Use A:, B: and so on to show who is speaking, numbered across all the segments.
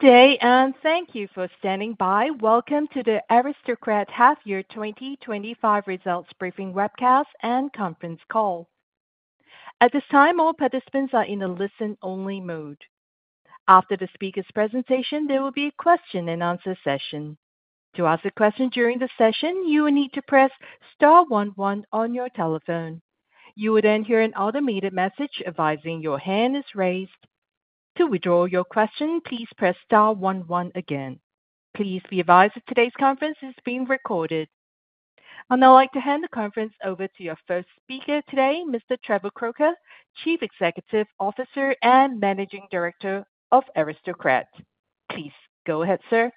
A: Today, and thank you for standing by. Welcome to the Aristocrat Half-Year 2025 Results Briefing Webcast and Conference Call. At this time, all participants are in a listen-only mode. After the speaker's presentation, there will be a question-and-answer session. To ask a question during the session, you will need to press Star 11 on your telephone. You will then hear an automated message advising your hand is raised. To withdraw your question, please press Star 11 again. Please be advised that today's conference is being recorded. I would like to hand the conference over to your first speaker today, Mr. Trevor Croker, Chief Executive Officer and Managing Director of Aristocrat. Please go ahead, sir.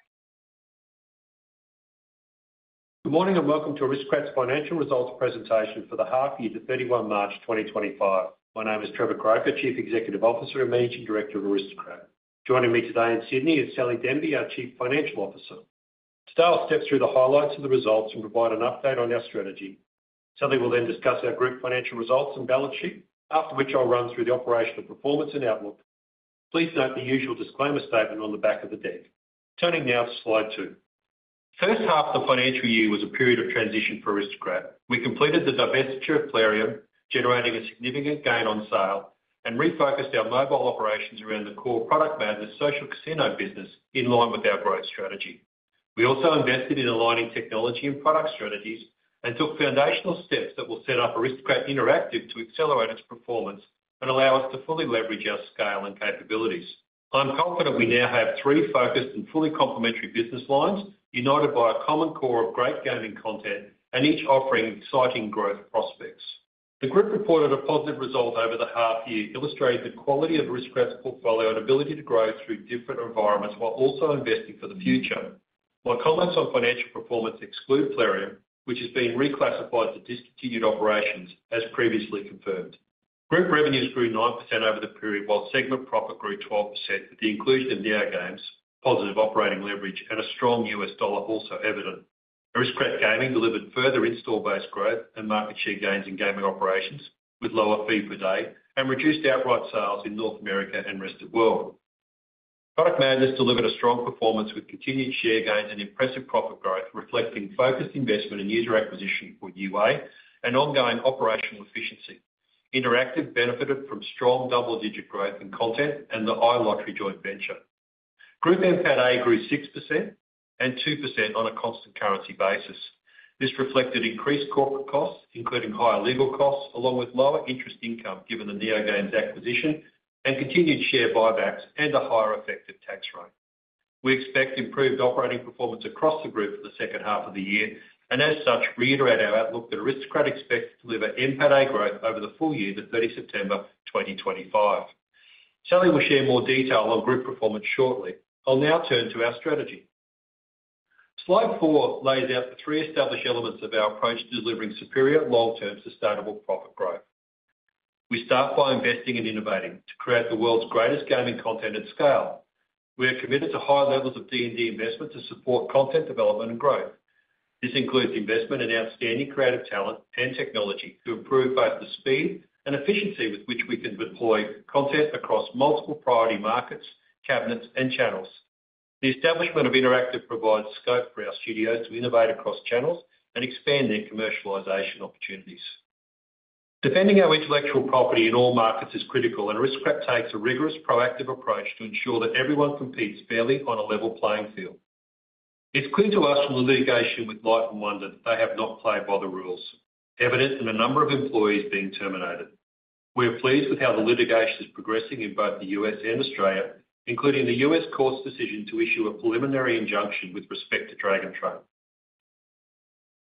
B: Good morning and welcome to Aristocrat's financial results presentation for the half-year to 31 March 2025. My name is Trevor Croker, Chief Executive Officer and Managing Director of Aristocrat. Joining me today in Sydney is Sally Denby, our Chief Financial Officer. Today, I'll step through the highlights of the results and provide an update on our strategy. Sally will then discuss our group financial results and balance sheet, after which I'll run through the operational performance and outlook. Please note the usual disclaimer statement on the back of the deck. Turning now to slide two. The first half of the financial year was a period of transition for Aristocrat. We completed the divestiture of Plarium, generating a significant gain on sale, and refocused our mobile operations around the core product management social casino business in line with our growth strategy. We also invested in aligning technology and product strategies and took foundational steps that will set up Aristocrat Interactive to accelerate its performance and allow us to fully leverage our scale and capabilities. I'm confident we now have three focused and fully complementary business lines united by a common core of great gaming content and each offering exciting growth prospects. The group reported a positive result over the half-year, illustrating the quality of Aristocrat's portfolio and ability to grow through different environments while also investing for the future. My comments on financial performance exclude Plarium, which has been reclassified to discontinued operations, as previously confirmed. Group revenues grew 9% over the period, while segment profit grew 12% with the inclusion of NeoGames, positive operating leverage, and a strong U.S. dollar also evident. Aristocrat Gaming delivered further install-based growth and market share gains in gaming operations with lower fee per day and reduced outright sales in North America and rest of the world. Product managers delivered a strong performance with continued share gains and impressive profit growth, reflecting focused investment in user acquisition for UA and ongoing operational efficiency. Interactive benefited from strong double-digit growth in content and the iLottery joint venture. Group NPATA grew 6% and 2% on a constant currency basis. This reflected increased corporate costs, including higher legal costs, along with lower interest income given the NeoGames acquisition and continued share buybacks and a higher effective tax rate. We expect improved operating performance across the group for the second half of the year and, as such, reiterate our outlook that Aristocrat expects to deliver NPATA growth over the full year to 30 September 2025. Sally will share more detail on group performance shortly. I'll now turn to our strategy. Slide four lays out the three established elements of our approach to delivering superior long-term sustainable profit growth. We start by investing and innovating to create the world's greatest gaming content at scale. We are committed to high levels of D&D investment to support content development and growth. This includes investment in outstanding creative talent and technology to improve both the speed and efficiency with which we can deploy content across multiple priority markets, cabinets, and channels. The establishment of Interactive provides scope for our studios to innovate across channels and expand their commercialization opportunities. Defending our intellectual property in all markets is critical, and Aristocrat takes a rigorous, proactive approach to ensure that everyone competes fairly on a level playing field. It's clear to us from the litigation with Light & Wonder that they have not played by the rules, evident in a number of employees being terminated. We are pleased with how the litigation is progressing in both the U.S. and Australia, including the U.S. court's decision to issue a preliminary injunction with respect to Dragon Train.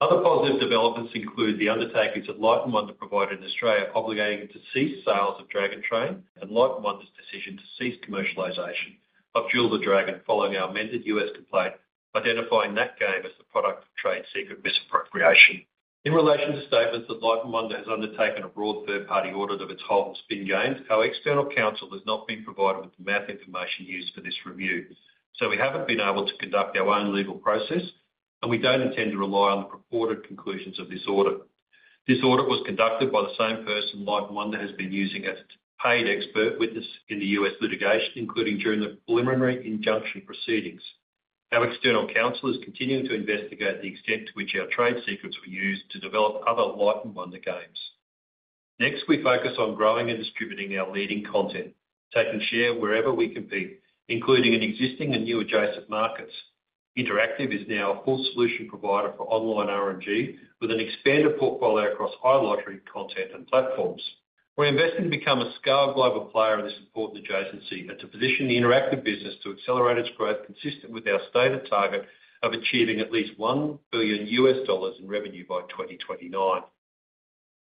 B: Other positive developments include the undertakings that Light & Wonder provided in Australia, obligating it to cease sales of Dragon Train and Light & Wonder's decision to cease commercialization of Jewel the Dragon, following our amended U.S. complaint, identifying that game as the product of trade secret misappropriation. In relation to statements that Light & Wonder has undertaken a broad third-party audit of its whole and spin games, our external counsel has not been provided with the math information used for this review, so we haven't been able to conduct our own legal process, and we don't intend to rely on the purported conclusions of this audit. This audit was conducted by the same person Light & Wonder has been using as a paid expert witness in the U.S. litigation, including during the preliminary injunction proceedings. Our external counsel is continuing to investigate the extent to which our trade secrets were used to develop other Light & Wonder games. Next, we focus on growing and distributing our leading content, taking share wherever we compete, including in existing and new adjacent markets. Interactive is now a full solution provider for online R&G with an expanded portfolio across iLottery content and platforms. We're investing to become a scaled global player in this important adjacency and to position the Interactive business to accelerate its growth consistent with our stated target of achieving at least $1 billion in revenue by 2029.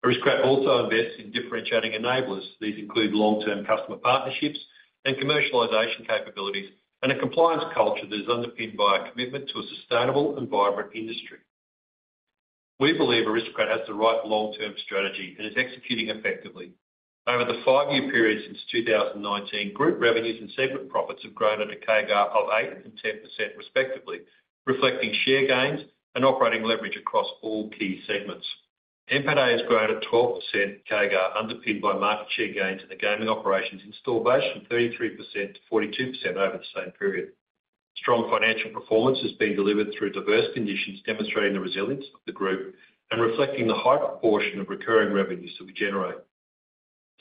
B: Aristocrat also invests in differentiating enablers. These include long-term customer partnerships and commercialization capabilities and a compliance culture that is underpinned by a commitment to a sustainable and vibrant industry. We believe Aristocrat has the right long-term strategy and is executing effectively. Over the five-year period since 2019, group revenues and segment profits have grown at a CAGR of 8% and 10% respectively, reflecting share gains and operating leverage across all key segments. NPATA has grown at 12% CAGR, underpinned by market share gains in the gaming operations installed base from 33%-42% over the same period. Strong financial performance has been delivered through diverse conditions, demonstrating the resilience of the group and reflecting the high proportion of recurring revenues that we generate.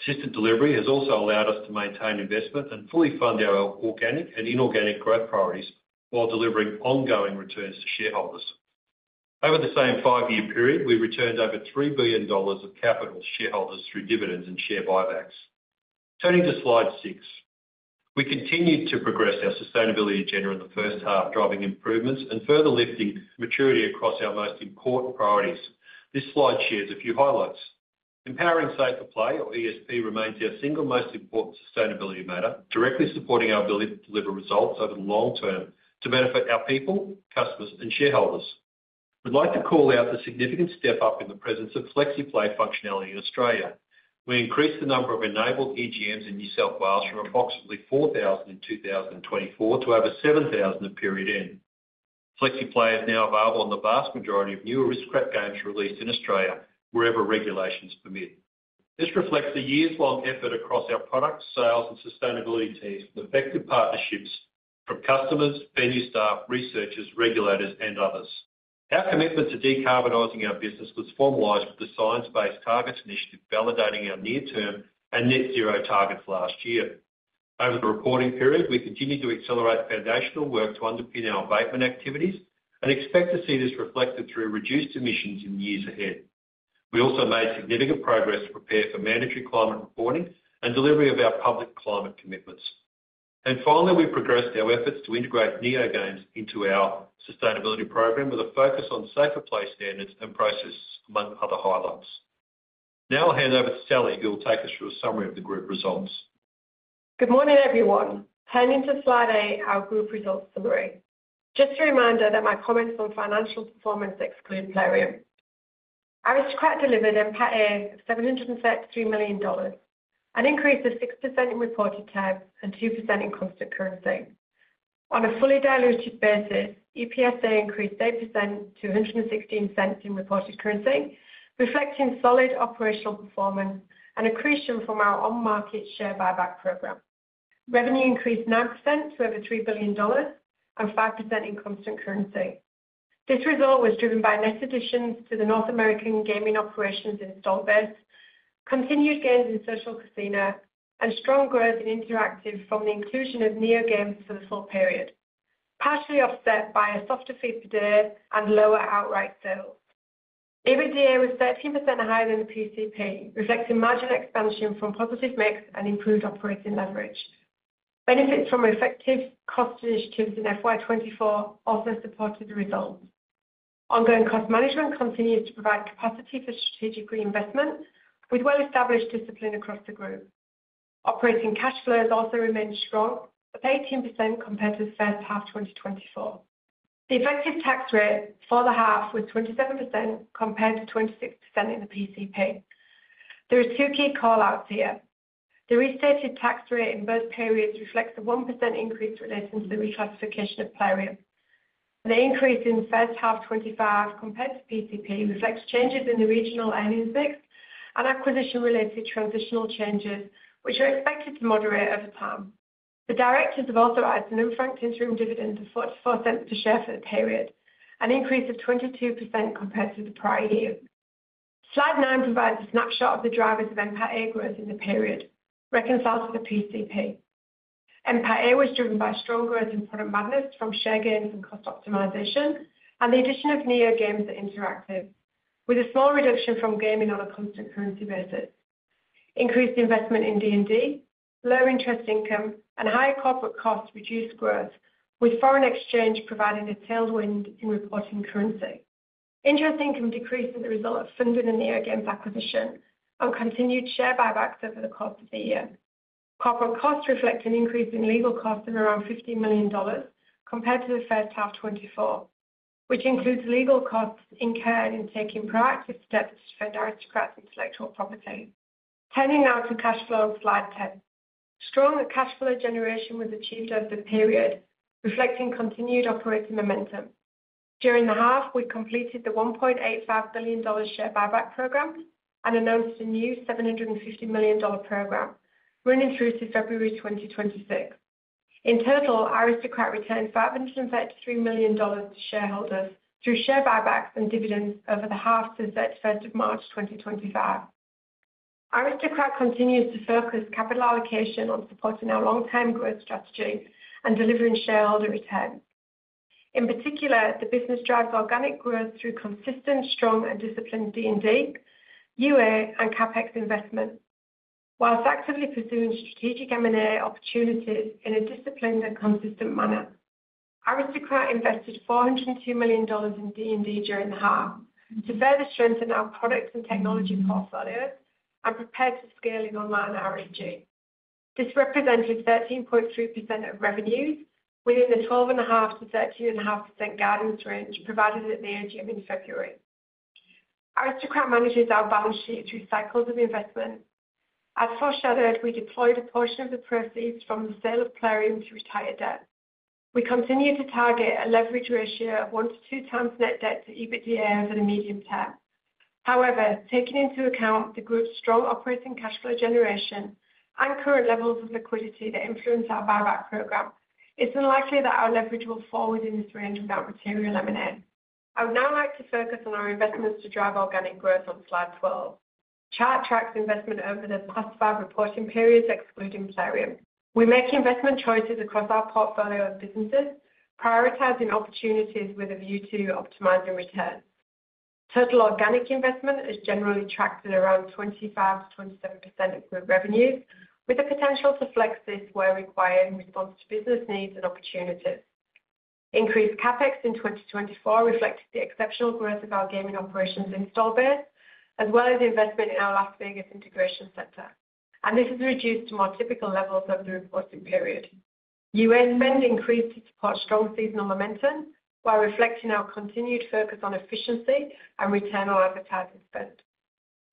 B: Consistent delivery has also allowed us to maintain investment and fully fund our organic and inorganic growth priorities while delivering ongoing returns to shareholders. Over the same five-year period, we returned over $3 billion of capital to shareholders through dividends and share buybacks. Turning to slide six, we continued to progress our sustainability agenda in the first half, driving improvements and further lifting maturity across our most important priorities. This slide shares a few highlights. Empowering Safer Play, or ESP, remains our single most important sustainability matter, directly supporting our ability to deliver results over the long term to benefit our people, customers, and shareholders. We'd like to call out the significant step up in the presence of Flexiplay functionality in Australia. We increased the number of enabled EGMs in New South Wales from approximately 4,000 in 2024 to over 7,000 at period end. Flexiplay is now available on the vast majority of new Aristocrat games released in Australia, wherever regulations permit. This reflects the years-long effort across our product sales and sustainability teams with effective partnerships from customers, venue staff, researchers, regulators, and others. Our commitment to decarbonizing our business was formalized with the science-based targets initiative, validating our near-term and net-zero targets last year. Over the reporting period, we continue to accelerate foundational work to underpin our abatement activities and expect to see this reflected through reduced emissions in the years ahead. We also made significant progress to prepare for mandatory climate reporting and delivery of our public climate commitments. Finally, we progressed our efforts to integrate NeoGames into our sustainability program with a focus on Safer Play standards and processes, among other highlights. Now I'll hand over to Sally, who will take us through a summary of the group results.
C: Good morning, everyone. Handing to slide eight, our group results summary. Just a reminder that my comments on financial performance exclude Plarium. Aristocrat delivered NPATA of $733 million, an increase of 6% in reported terms and 2% in constant currency. On a fully diluted basis, EPSA increased 8% to $1.16 in reported currency, reflecting solid operational performance and accretion from our on-market share buyback program. Revenue increased 9% to over $3 billion and 5% in constant currency. This result was driven by net additions to the North American gaming operations installed base, continued gains in social casino, and strong growth in Interactive from the inclusion of NeoGames for the full period, partially offset by a softer fee per day and lower outright sales. EBITDA was 13% higher than the PCP, reflecting margin expansion from positive mix and improved operating leverage. Benefits from effective cost initiatives in FY24 also supported the results. Ongoing cost management continues to provide capacity for strategic reinvestment with well-established discipline across the group. Operating cash flows also remained strong, up 18% compared to the first half of 2024. The effective tax rate for the half was 27% compared to 26% in the PCP. There are two key callouts here. The restated tax rate in both periods reflects a 1% increase relating to the reclassification of Plarium. The increase in first half 2025 compared to PCP reflects changes in the regional earnings mix and acquisition-related transitional changes, which are expected to moderate over time. The directors have also added an interim dividend of 0.44 per share for the period, an increase of 22% compared to the prior year. Slide nine provides a snapshot of the drivers of NPATA growth in the period, reconciled to the PCP. NPATA was driven by strong growth in Product Madness from share gains and cost optimization and the addition of NeoGames at Interactive, with a small reduction from Gaming on a constant currency basis. Increased investment in D&D, low interest income, and high corporate costs reduced growth, with foreign exchange providing a tailwind in reporting currency. Interest income decreased as a result of funding and NeoGames acquisition and continued share buybacks over the course of the year. Corporate costs reflect an increase in legal costs of around $15 million compared to the first half 2024, which includes legal costs incurred in taking proactive steps to defend Aristocrat's intellectual property. Turning now to cash flow on slide 10, strong cash flow generation was achieved over the period, reflecting continued operating momentum. During the half, we completed the $1.85 billion share buyback program and announced a new $750 million program running through to February 2026. In total, Aristocrat returned $533 million to shareholders through share buybacks and dividends over the half to 31 March 2025. Aristocrat continues to focus capital allocation on supporting our long-term growth strategy and delivering shareholder return. In particular, the business drives organic growth through consistent, strong, and disciplined D&D, UA, and CapEx investment, whilst actively pursuing strategic M&A opportunities in a disciplined and consistent manner. Aristocrat invested $402 million in D&D during the half to further strengthen our products and technology portfolios and prepared to scale in online R&G. This represented 13.3% of revenues within the 12.5%-13.5% guidance range provided at the AGM in February. Aristocrat manages our balance sheet through cycles of investment. As foreshadowed, we deployed a portion of the proceeds from the sale of Plarium to retire debt. We continue to target a leverage ratio of one to two times net debt to EBITDA over the medium term. However, taking into account the group's strong operating cash flow generation and current levels of liquidity that influence our buyback program, it's unlikely that our leverage will fall within the 300-month material M&A. I would now like to focus on our investments to drive organic growth on slide 12. Chart tracks investment over the past five reporting periods, excluding Plarium. We make investment choices across our portfolio of businesses, prioritizing opportunities with a view to optimizing return. Total organic investment is generally tracked at around 25%-27% of group revenues, with the potential to flex this where required in response to business needs and opportunities. Increased CapEx in 2024 reflected the exceptional growth of our gaming operations installed base, as well as investment in our Las Vegas integration center, and this has reduced to more typical levels of the reporting period. UA spend increased to support strong seasonal momentum while reflecting our continued focus on efficiency and return on advertising spend.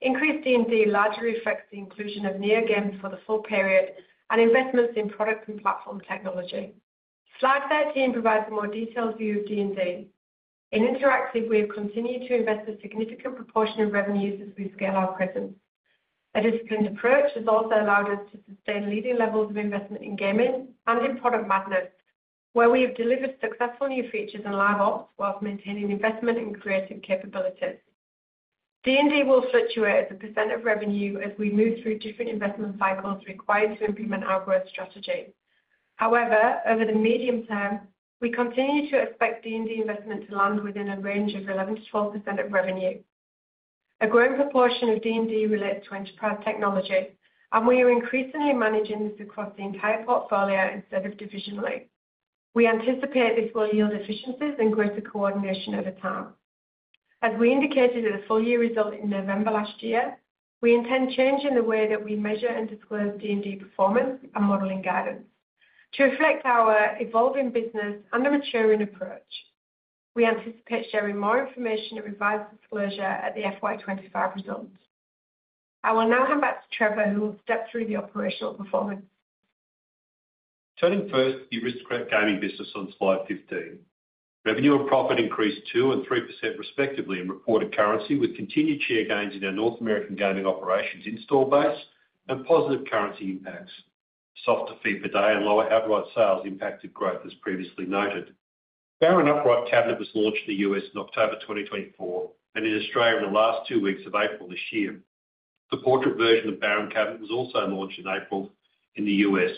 C: Increased D&D largely reflects the inclusion of NeoGames for the full period and investments in product and platform technology. Slide 13 provides a more detailed view of D&D. In Interactive, we have continued to invest a significant proportion of revenues as we scale our presence. A disciplined approach has also allowed us to sustain leading levels of investment in gaming and in Product Madness, where we have delivered successful new features and live ops whilst maintaining investment and creative capabilities. D&D will fluctuate as a percent of revenue as we move through different investment cycles required to implement our growth strategy. However, over the medium term, we continue to expect D&D investment to land within a range of 11%-12% of revenue. A growing proportion of D&D relates to enterprise technology, and we are increasingly managing this across the entire portfolio instead of divisionally. We anticipate this will yield efficiencies and greater coordination over time. As we indicated at the full year result in November last year, we intend changing the way that we measure and disclose D&D performance and modeling guidance to reflect our evolving business and a maturing approach. We anticipate sharing more information and revised disclosure at the FY25 results. I will now hand back to Trevor, who will step through the operational performance.
B: Turning first to the Aristocrat Gaming business on slide 15. Revenue and profit increased 2% and 3% respectively in reported currency, with continued share gains in our North American gaming operations installed base and positive currency impacts. Softer fee per day and lower outright sales impacted growth, as previously noted. Baron Upright Cabinet was launched in the U.S. in October 2024 and in Australia in the last two weeks of April this year. The portrait version of Baron Cabinet was also launched in April in the U.S..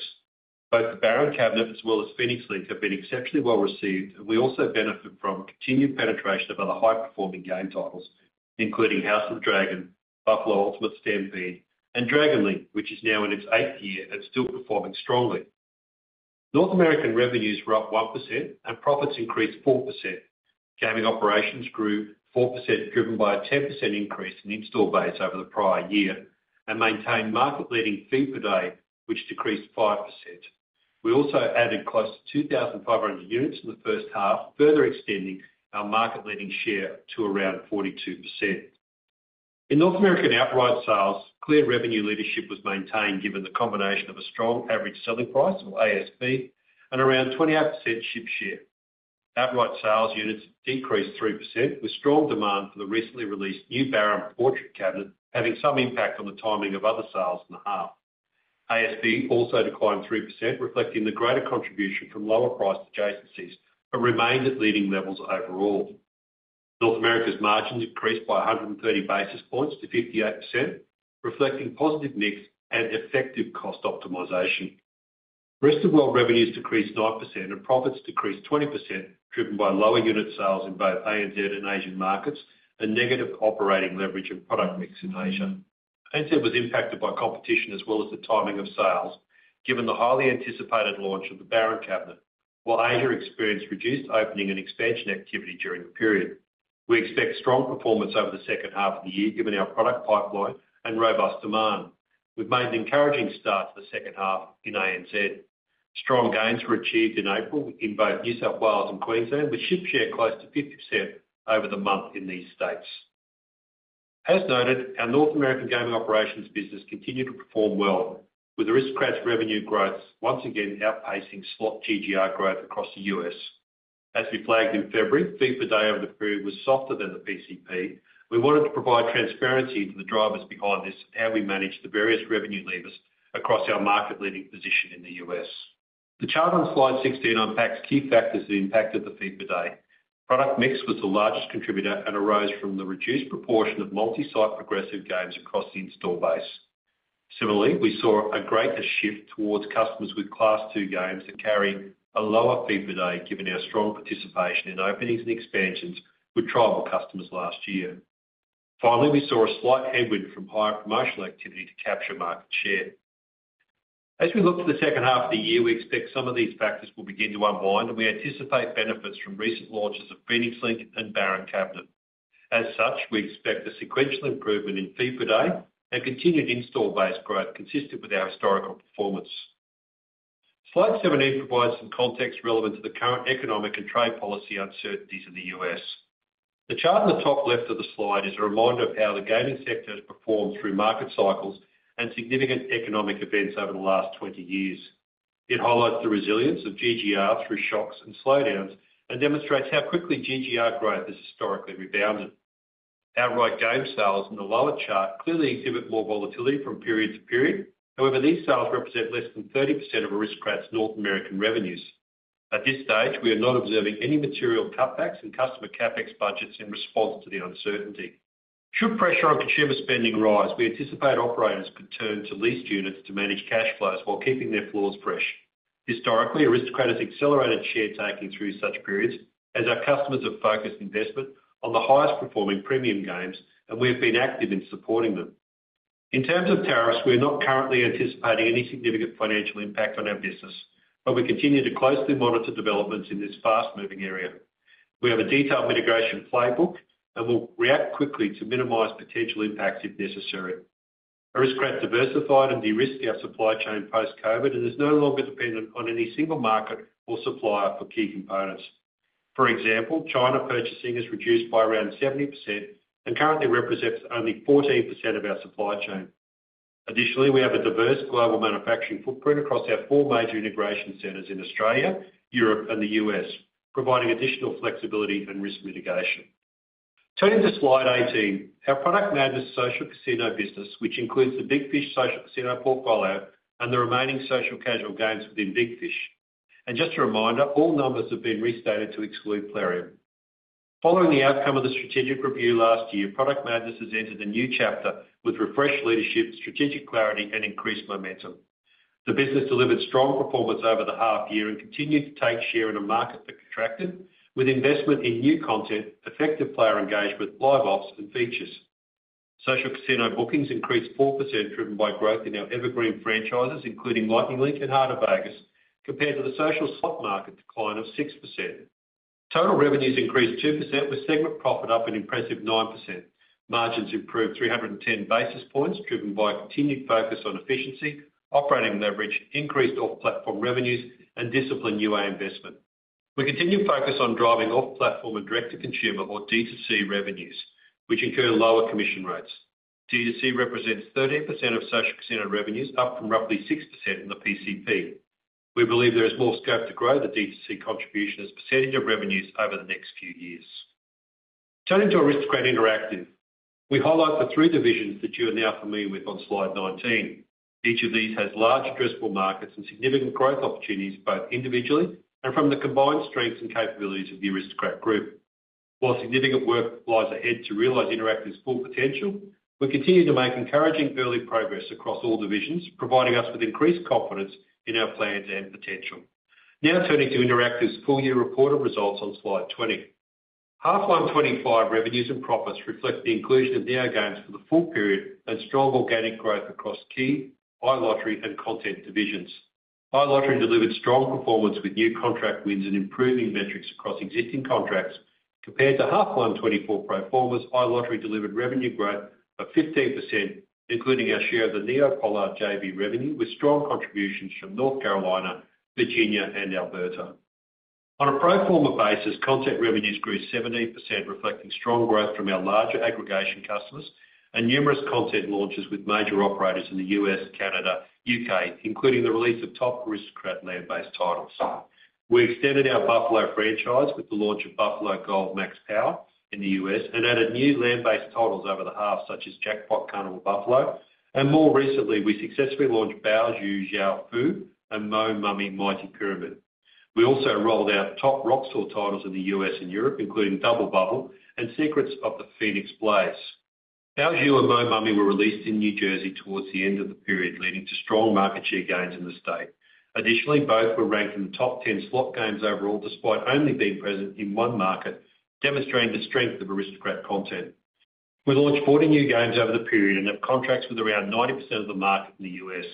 B: Both the Baron Cabinet as well as Phoenix Link have been exceptionally well received, and we also benefit from continued penetration of other high-performing game titles, including House of the Dragon, Buffalo Ultimate Stampede, and Dragon League, which is now in its eighth year and still performing strongly. North American revenues were up 1%, and profits increased 4%. Gaming operations grew 4%, driven by a 10% increase in installed base over the prior year and maintained market-leading fee per day, which decreased 5%. We also added close to 2,500 units in the first half, further extending our market-leading share to around 42%. In North American outright sales, clear revenue leadership was maintained given the combination of a strong average selling price, or ASP, and around 28% ship share. Outright sales units decreased 3%, with strong demand for the recently released new Baron Portrait Cabinet having some impact on the timing of other sales in the half. ASP also declined 3%, reflecting the greater contribution from lower price adjacencies, but remained at leading levels overall. North America's margins increased by 130 basis points to 58%, reflecting positive mix and effective cost optimization. Rest of world revenues decreased 9%, and profits decreased 20%, driven by lower unit sales in both ANZ and Asian markets and negative operating leverage and product mix in Asia. ANZ was impacted by competition as well as the timing of sales, given the highly anticipated launch of the Baron Cabinet, while Asia experienced reduced opening and expansion activity during the period. We expect strong performance over the second half of the year, given our product pipeline and robust demand. We've made an encouraging start to the second half in ANZ. Strong gains were achieved in April in both New South Wales and Queensland, with ship share close to 50% over the month in these states. As noted, our North American gaming operations business continued to perform well, with Aristocrat's revenue growth once again outpacing slot GGR growth across the U.S. As we flagged in February, fee per day over the period was softer than the PCP. We wanted to provide transparency into the drivers behind this and how we managed the various revenue levers across our market-leading position in the US. The chart on slide 16 unpacks key factors that impacted the fee per day. Product mix was the largest contributor and arose from the reduced proportion of multi-site progressive games across the installed base. Similarly, we saw a greater shift towards customers with Class 2 games that carry a lower fee per day, given our strong participation in openings and expansions with tribal customers last year. Finally, we saw a slight headwind from higher promotional activity to capture market share. As we look to the second half of the year, we expect some of these factors will begin to unwind, and we anticipate benefits from recent launches of Phoenix Link and Baron Cabinet. As such, we expect a sequential improvement in fee per day and continued installed base growth consistent with our historical performance. Slide 17 provides some context relevant to the current economic and trade policy uncertainties in the U.S. The chart on the top left of the slide is a reminder of how the gaming sector has performed through market cycles and significant economic events over the last 20 years. It highlights the resilience of GGR through shocks and slowdowns and demonstrates how quickly GGR growth has historically rebounded. Outright game sales in the lower chart clearly exhibit more volatility from period to period. However, these sales represent less than 30% of Aristocrat's North American revenues. At this stage, we are not observing any material cutbacks in customer CapEx budgets in response to the uncertainty. Should pressure on consumer spending rise, we anticipate operators could turn to leased units to manage cash flows while keeping their floors fresh. Historically, Aristocrat has accelerated share taking through such periods as our customers have focused investment on the highest performing premium games, and we have been active in supporting them. In terms of tariffs, we are not currently anticipating any significant financial impact on our business, but we continue to closely monitor developments in this fast-moving area. We have a detailed mitigation playbook and will react quickly to minimize potential impacts if necessary. Aristocrat diversified and de-risked our supply chain post-COVID, and is no longer dependent on any single market or supplier for key components. For example, China purchasing has reduced by around 70% and currently represents only 14% of our supply chain. Additionally, we have a diverse global manufacturing footprint across our four major integration centers in Australia, Europe, and the U.S., providing additional flexibility and risk mitigation. Turning to slide 18, our Product Madness social casino business, which includes the Big Fish social casino portfolio and the remaining social casual games within Big Fish. Just a reminder, all numbers have been restated to exclude Plarium. Following the outcome of the strategic review last year, Product Madness has entered a new chapter with refreshed leadership, strategic clarity, and increased momentum. The business delivered strong performance over the half year and continued to take share in a market that contracted, with investment in new content, effective player engagement, live ops, and features. Social casino bookings increased 4%, driven by growth in our evergreen franchises, including Lightning Link and Heart of Vegas, compared to the social slot market decline of 6%. Total revenues increased 2%, with segment profit up an impressive 9%. Margins improved 310 basis points, driven by continued focus on efficiency, operating leverage, increased off-platform revenues, and disciplined UA investment. We continue to focus on driving off-platform and direct-to-consumer, or D2C, revenues, which incur lower commission rates. D2C represents 13% of social casino revenues, up from roughly 6% in the PCP. We believe there is more scope to grow the D2C contribution as percentage of revenues over the next few years. Turning to Aristocrat Interactive, we highlight the three divisions that you are now familiar with on slide 19. Each of these has large addressable markets and significant growth opportunities both individually and from the combined strengths and capabilities of the Aristocrat Group. While significant work lies ahead to realize Interactive's full potential, we continue to make encouraging early progress across all divisions, providing us with increased confidence in our plans and potential. Now turning to Interactive's full year reported results on slide 20. Half 125 revenues and profits reflect the inclusion of new games for the full period and strong organic growth across key iLottery and content divisions. iLottery delivered strong performance with new contract wins and improving metrics across existing contracts. Compared to half 124 pro formas, iLottery delivered revenue growth of 15%, including our share of the NeoGames JV revenue, with strong contributions from North Carolina, Virginia, and Alberta. On a pro forma basis, content revenues grew 17%, reflecting strong growth from our larger aggregation customers and numerous content launches with major operators in the U.S., Canada, U.K., including the release of top Aristocrat land-based titles. We extended our Buffalo franchise with the launch of Buffalo Gold Max Power in the U.S. and added new land-based titles over the half, such as Jackpot Carnival Buffalo. More recently, we successfully launched Bao Zhu Zhao Fu and Mo' Mummy Mighty Pyramid. We also rolled out top Rockstar titles in the U.S. and Europe, including Double Bubble and Secrets of the Phoenix Blaze. Bao Zhu and Mo' Mummy were released in New Jersey towards the end of the period, leading to strong market share gains in the state. Additionally, both were ranked in the top 10 slot games overall, despite only being present in one market, demonstrating the strength of Aristocrat content. We launched 40 new games over the period and have contracts with around 90% of the market in the US.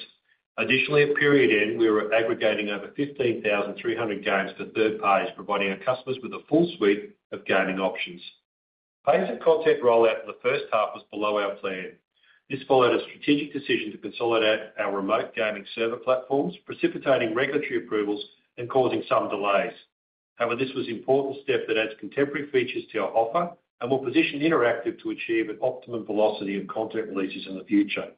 B: Additionally, at period end, we were aggregating over 15,300 games to third page, providing our customers with a full suite of gaming options. Basic content rollout in the first half was below our plan. This followed a strategic decision to consolidate our remote gaming server platforms, precipitating regulatory approvals and causing some delays. However, this was an important step that adds contemporary features to our offer and will position Interactive to achieve an optimum velocity of content releases in the future.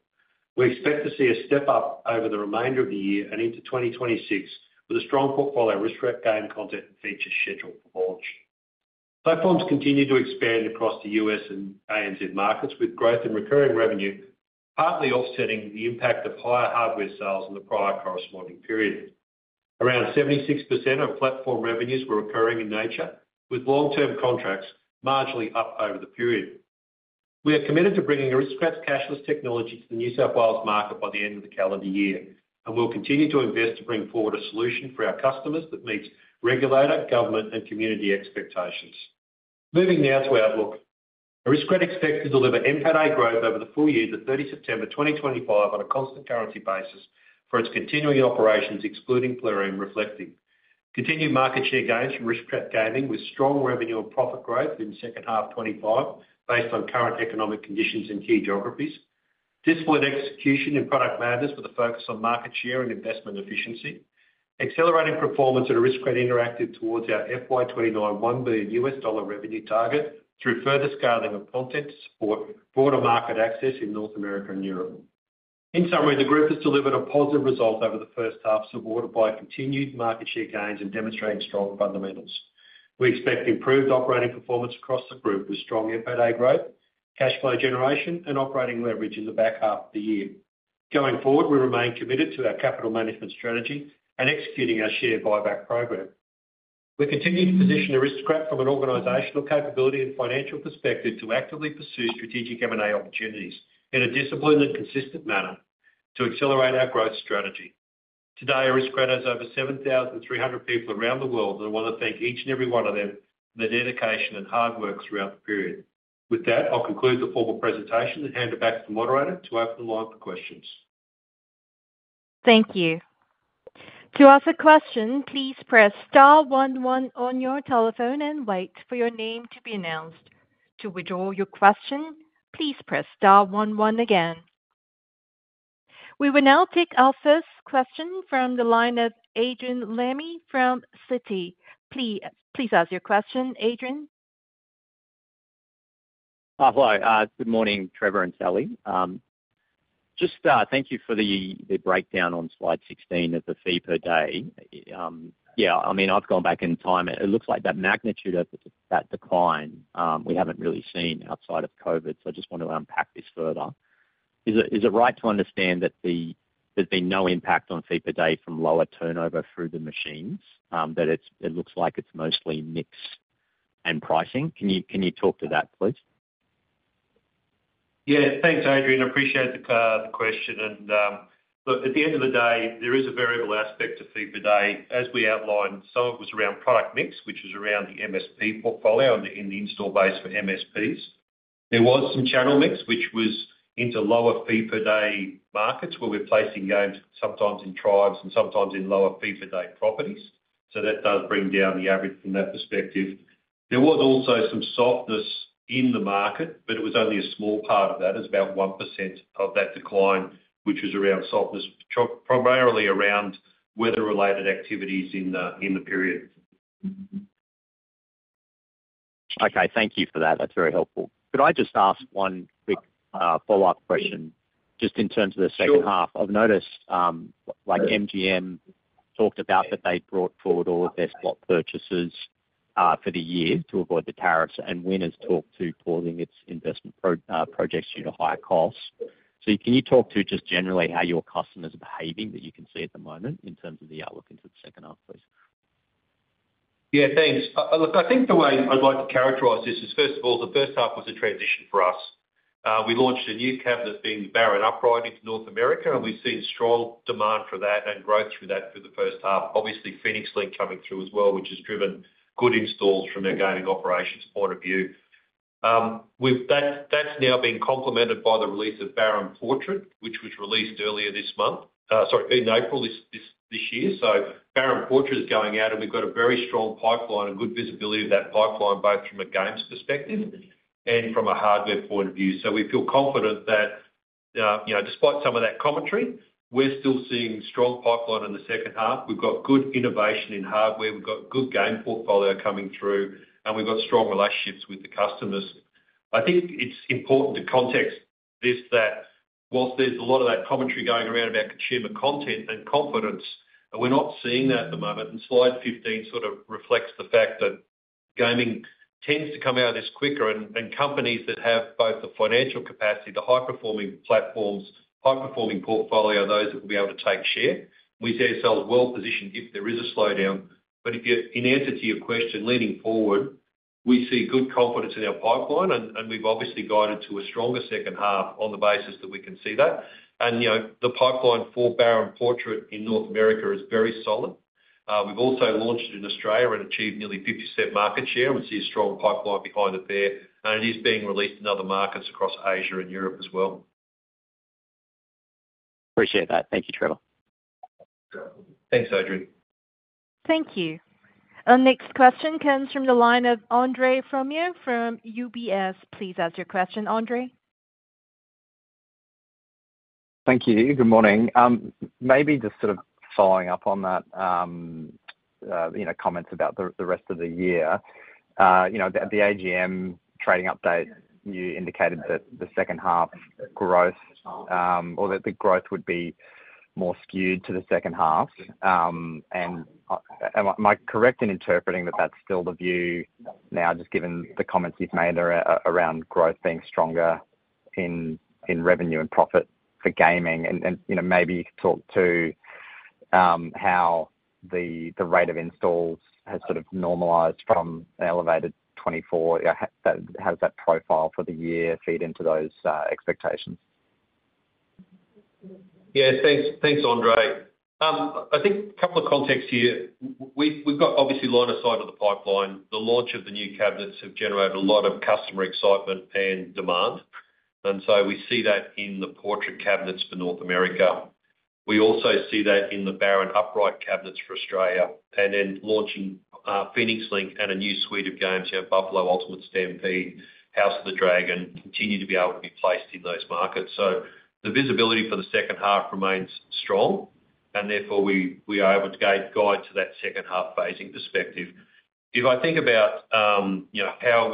B: We expect to see a step up over the remainder of the year and into 2026, with a strong portfolio of Aristocrat game content and features scheduled for launch. Platforms continue to expand across the U.S. and ANZ markets, with growth and recurring revenue partly offsetting the impact of higher hardware sales in the prior corresponding period. Around 76% of platform revenues were recurring in nature, with long-term contracts marginally up over the period. We are committed to bringing Aristocrat's cashless technology to the New South Wales market by the end of the calendar year, and we'll continue to invest to bring forward a solution for our customers that meets regulator, government, and community expectations. Moving now to outlook, Aristocrat expects to deliver NPATA growth over the full year to 30 September 2025 on a constant currency basis for its continuing operations, excluding Plarium. Continued market share gains from Aristocrat Gaming, with strong revenue and profit growth in the second half of 2025, based on current economic conditions in key geographies. Discipline, execution, and Product Madness with a focus on market share and investment efficiency. Accelerating performance at Aristocrat Interactive towards our FY2029 $1 billion revenue target through further scaling of content to support broader market access in North America and Europe. In summary, the group has delivered a positive result over the first half, supported by continued market share gains and demonstrating strong fundamentals. We expect improved operating performance across the group with strong NPATA growth, cash flow generation, and operating leverage in the back half of the year. Going forward, we remain committed to our capital management strategy and executing our share buyback program. We continue to position Aristocrat from an organizational capability and financial perspective to actively pursue strategic M&A opportunities in a disciplined and consistent manner to accelerate our growth strategy. Today, Aristocrat has over 7,300 people around the world, and I want to thank each and every one of them for their dedication and hard work throughout the period. With that, I'll conclude the formal presentation and hand it back to the moderator to open the line for questions.
A: Thank you. To ask a question, please press star 11 on your telephone and wait for your name to be announced. To withdraw your question, please press star 11 again. We will now take our first question from the line of Adrian Lemme from Citi. Please ask your question, Adrian.
D: Hi, good morning, Trevor and Sally. Just thank you for the breakdown on slide 16 of the fee per day. Yeah, I mean, I've gone back in time. It looks like that magnitude of that decline we haven't really seen outside of COVID, so I just want to unpack this further. Is it right to understand that there's been no impact on fee per day from lower turnover through the machines, that it looks like it's mostly mix and pricing? Can you talk to that, please?
B: Yeah, thanks, Adrian. I appreciate the question. And look, at the end of the day, there is a variable aspect to fee per day. As we outlined, some of it was around product mix, which was around the MSP portfolio and the installed base for MSPs. There was some channel mix, which was into lower fee per day markets, where we're placing games sometimes in tribes and sometimes in lower fee per day properties. That does bring down the average from that perspective. There was also some softness in the market, but it was only a small part of that. It's about 1% of that decline, which was around softness, primarily around weather-related activities in the period.
D: Okay, thank you for that. That's very helpful. Could I just ask one quick follow-up question just in terms of the second half? I've noticed MGM talked about that they brought forward all of their spot purchases for the year to avoid the tariffs, and winners talked to pausing its investment projects due to higher costs. Can you talk to just generally how your customers are behaving that you can see at the moment in terms of the outlook into the second half, please?
B: Yeah, thanks. Look, I think the way I'd like to characterize this is, first of all, the first half was a transition for us. We launched a new cabinet being the Baron Upright into North America, and we've seen strong demand for that and growth through that for the first half. Obviously, Phoenix Link coming through as well, which has driven good installs from their gaming operations point of view. That's now being complemented by the release of Baron Portrait, which was released earlier this month, sorry, in April this year. Baron Portrait is going out, and we've got a very strong pipeline and good visibility of that pipeline, both from a games perspective and from a hardware point of view. We feel confident that despite some of that commentary, we're still seeing strong pipeline in the second half. We've got good innovation in hardware. We've got good game portfolio coming through, and we've got strong relationships with the customers. I think it's important to context this that whilst there's a lot of that commentary going around about consumer content and confidence, we're not seeing that at the moment. Slide 15 sort of reflects the fact that gaming tends to come out of this quicker, and companies that have both the financial capacity, the high-performing platforms, high-performing portfolio, those that will be able to take share. We see ourselves well positioned if there is a slowdown. In answer to your question, leaning forward, we see good confidence in our pipeline, and we've obviously guided to a stronger second half on the basis that we can see that. The pipeline for Baron Portrait in North America is very solid. We've also launched it in Australia and achieved nearly 50% market share. We see a strong pipeline behind it there, and it is being released in other markets across Asia and Europe as well.
D: Appreciate that. Thank you, Trevor.
B: Thanks, Adrian.
A: Thank you. Our next question comes from the line of Andre Fromyhr from UBS. Please ask your question, Andre.
E: Thank you. Good morning. Maybe just sort of following up on that comment about the rest of the year. The AGM trading update, you indicated that the second half growth or that the growth would be more skewed to the second half. Am I correct in interpreting that that's still the view now, just given the comments you've made around growth being stronger in revenue and profit for gaming? Maybe you could talk to how the rate of installs has sort of normalized from an elevated 24. How does that profile for the year feed into those expectations?
B: Yeah, thanks, Andre. I think a couple of contexts here. We've got obviously line of sight of the pipeline. The launch of the new cabinets has generated a lot of customer excitement and demand. We see that in the portrait cabinets for North America. We also see that in the Baron Upright cabinets for Australia. Launching Phoenix Link and a new suite of games, Buffalo Ultimate Stampede, House of the Dragon, continue to be able to be placed in those markets. The visibility for the second half remains strong, and therefore we are able to guide to that second half phasing perspective. If I think about how are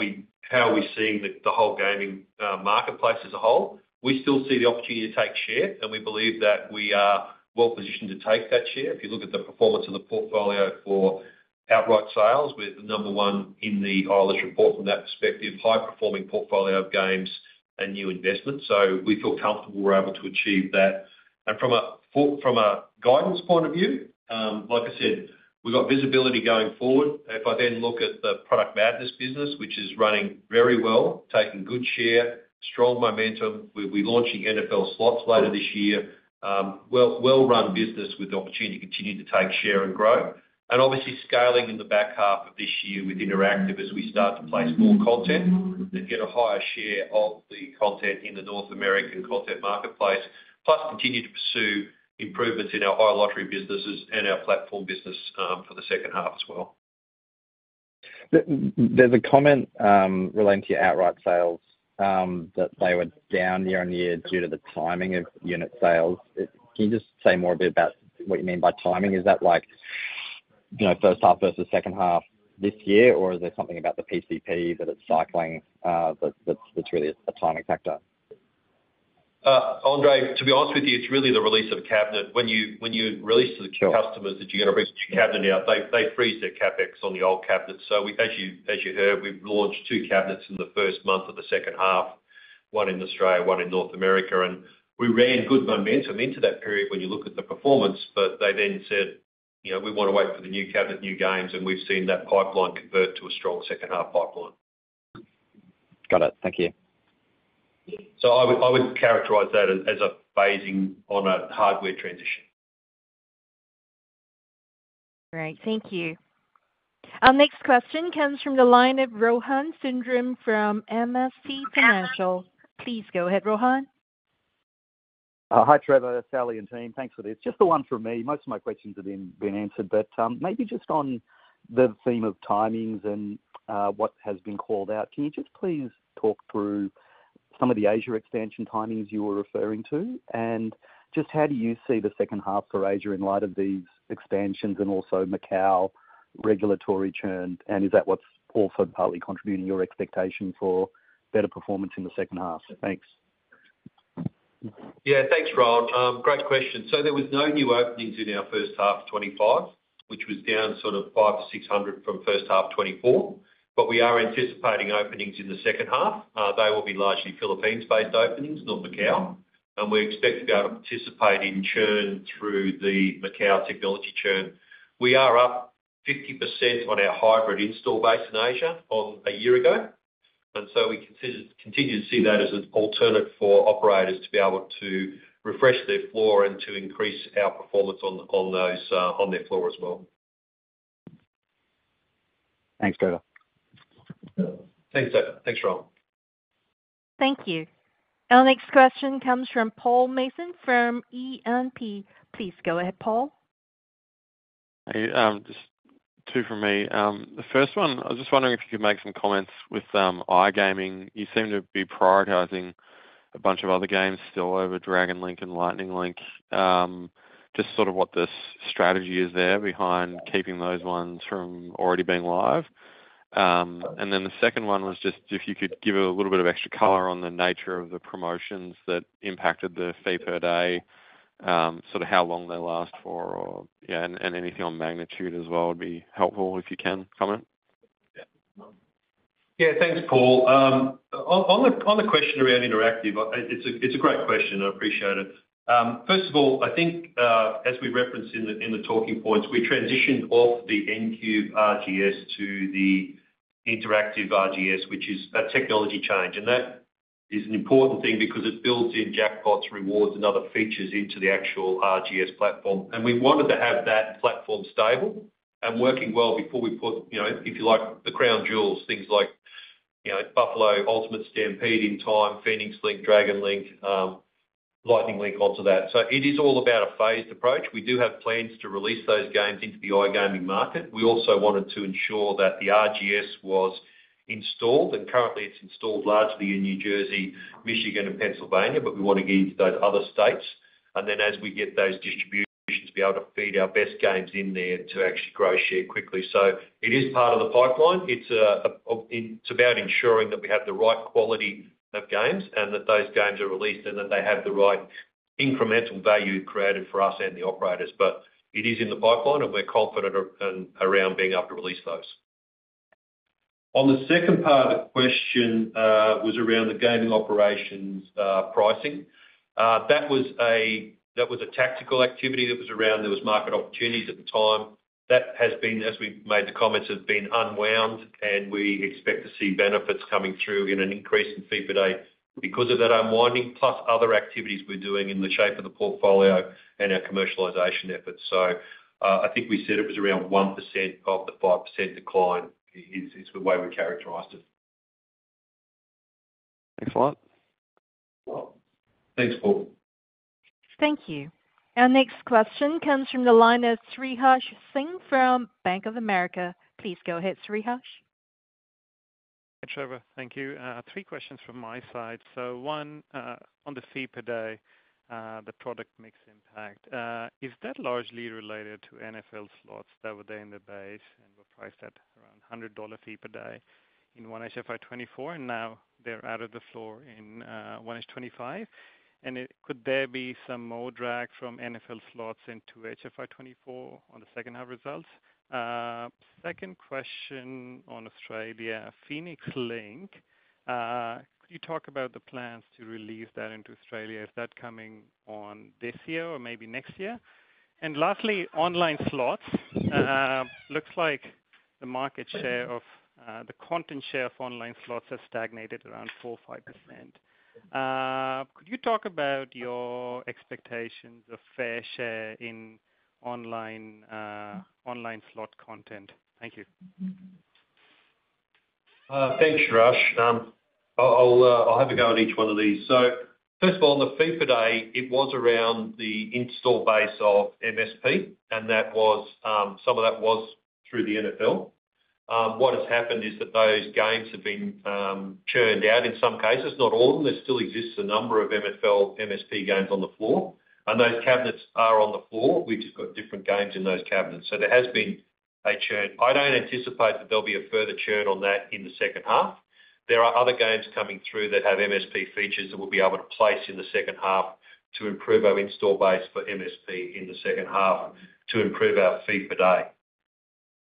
B: we seeing the whole gaming marketplace as a whole, we still see the opportunity to take share, and we believe that we are well positioned to take that share. If you look at the performance of the portfolio for outright sales, we're the number one in the Eilers report from that perspective, high-performing portfolio of games and new investments. We feel comfortable we're able to achieve that. From a guidance point of view, like I said, we've got visibility going forward. If I then look at the Product Madness business, which is running very well, taking good share, strong momentum, we're launching NFL Slots later this year, well-run business with the opportunity to continue to take share and grow. Obviously scaling in the back half of this year with Interactive as we start to place more content and get a higher share of the content in the North American content marketplace, plus continue to pursue improvements in our iLottery businesses and our platform business for the second half as well.
E: There's a comment relating to your outright sales that they were down year on year due to the timing of unit sales. Can you just say more a bit about what you mean by timing? Is that first half versus second half this year, or is there something about the PCP that it's cycling that's really a timing factor?
B: Andre, to be honest with you, it's really the release of a cabinet. When you released to the customers that you're going to bring a new cabinet out, they freeze their CapEx on the old cabinet. As you heard, we've launched two cabinets in the first month of the second half, one in Australia, one in North America. We ran good momentum into that period when you look at the performance, but they then said, "We want to wait for the new cabinet, new games," and we have seen that pipeline convert to a strong second half pipeline.
E: Got it. Thank you.
B: I would characterize that as a phasing on a hardware transition.
A: Great. Thank you. Our next question comes from the line of Rohan Sundram from MST Financial. Please go ahead, Rohan.
F: Hi, Trevor, Sally and team. Thanks for this. Just the one for me. Most of my questions have been answered, but maybe just on the theme of timings and what has been called out. Can you just please talk through some of the Asia expansion timings you were referring to? And just how do you see the second half for Asia in light of these expansions and also Macau regulatory churn? Is that what is also partly contributing to your expectation for better performance in the second half?
B: Thanks. Yeah, thanks, Rohan. Great question. There were no new openings in our first half of 2025, which was down sort of 500-600 from first half 2024, but we are anticipating openings in the second half. They will be largely Philippines-based openings, not Macau. We expect to be able to participate in churn through the Macau technology churn. We are up 50% on our hybrid install base in Asia from a year ago. We continue to see that as an alternate for operators to be able to refresh their floor and to increase our performance on their floor as well.
F: Thanks, Trevor. Thanks, Trevor.
B: Thanks, Rohan.
A: Thank you. Our next question comes from Paul Mason from E&P. Please go ahead, Paul.
G: Just two from me. The first one, I was just wondering if you could make some comments with iGaming. You seem to be prioritizing a bunch of other games still over Dragon Link and Lightning Link. Just sort of what the strategy is there behind keeping those ones from already being live. The second one was just if you could give a little bit of extra color on the nature of the promotions that impacted the fee per day, sort of how long they last for, and anything on magnitude as well would be helpful if you can comment.
B: Yeah, thanks, Paul. On the question around Interactive, it's a great question. I appreciate it. First of all, I think as we referenced in the talking points, we transitioned off the NQ RGS to the Interactive RGS, which is a technology change. That is an important thing because it builds in jackpots, rewards, and other features into the actual RGS platform. We wanted to have that platform stable and working well before we put, if you like, the crown jewels, things like Buffalo Ultimate Stampede in time, Phoenix Link, Dragon Link, Lightning Link onto that. It is all about a phased approach. We do have plans to release those games into the iGaming market. We also wanted to ensure that the RGS was installed, and currently it is installed largely in New Jersey, Michigan, and Pennsylvania, but we want to get into those other states. As we get those distributions, we will be able to feed our best games in there to actually grow share quickly. It is part of the pipeline. It's about ensuring that we have the right quality of games and that those games are released and that they have the right incremental value created for us and the operators. It is in the pipeline, and we're confident around being able to release those. On the second part, the question was around the gaming operations pricing. That was a tactical activity that was around there was market opportunities at the time. That has been, as we've made the comments, unwound, and we expect to see benefits coming through in an increase in fee per day because of that unwinding, plus other activities we're doing in the shape of the portfolio and our commercialization efforts. I think we said it was around 1% of the 5% decline is the way we characterized it.
G: Thanks, Lot.
B: Thanks, Paul.
A: Thank you. Our next question comes from the line of Sriharsh Singh from Bank of America. Please go ahead, Sriharsh.
H: Thanks, Trevor. Thank you. Three questions from my side. One on the fee per day, the product mix impact. Is that largely related to NFL Slots that were there in the base and were priced at around $100 fee per day in 1HFI24, and now they're out of the floor in 1H25? Could there be some more drag from NFL Slots into HFI24 on the second half results? Second question on Australia, Phoenix Link. Could you talk about the plans to release that into Australia? Is that coming on this year or maybe next year? Lastly, online slots. Looks like the market share or the content share of online slots has stagnated around 4%-5%. Could you talk about your expectations of fair share in online slot content? Thank you.
B: Thanks, Harsh. I'll have a go at each one of these. First of all, on the fee per day, it was around the install base of MSP, and some of that was through the NFL. What has happened is that those games have been churned out in some cases, not all of them. There still exists a number of MSP games on the floor. Those cabinets are on the floor. We've just got different games in those cabinets. There has been a churn. I don't anticipate that there'll be a further churn on that in the second half. There are other games coming through that have MSP features that we'll be able to place in the second half to improve our install base for MSP in the second half to improve our fee per day.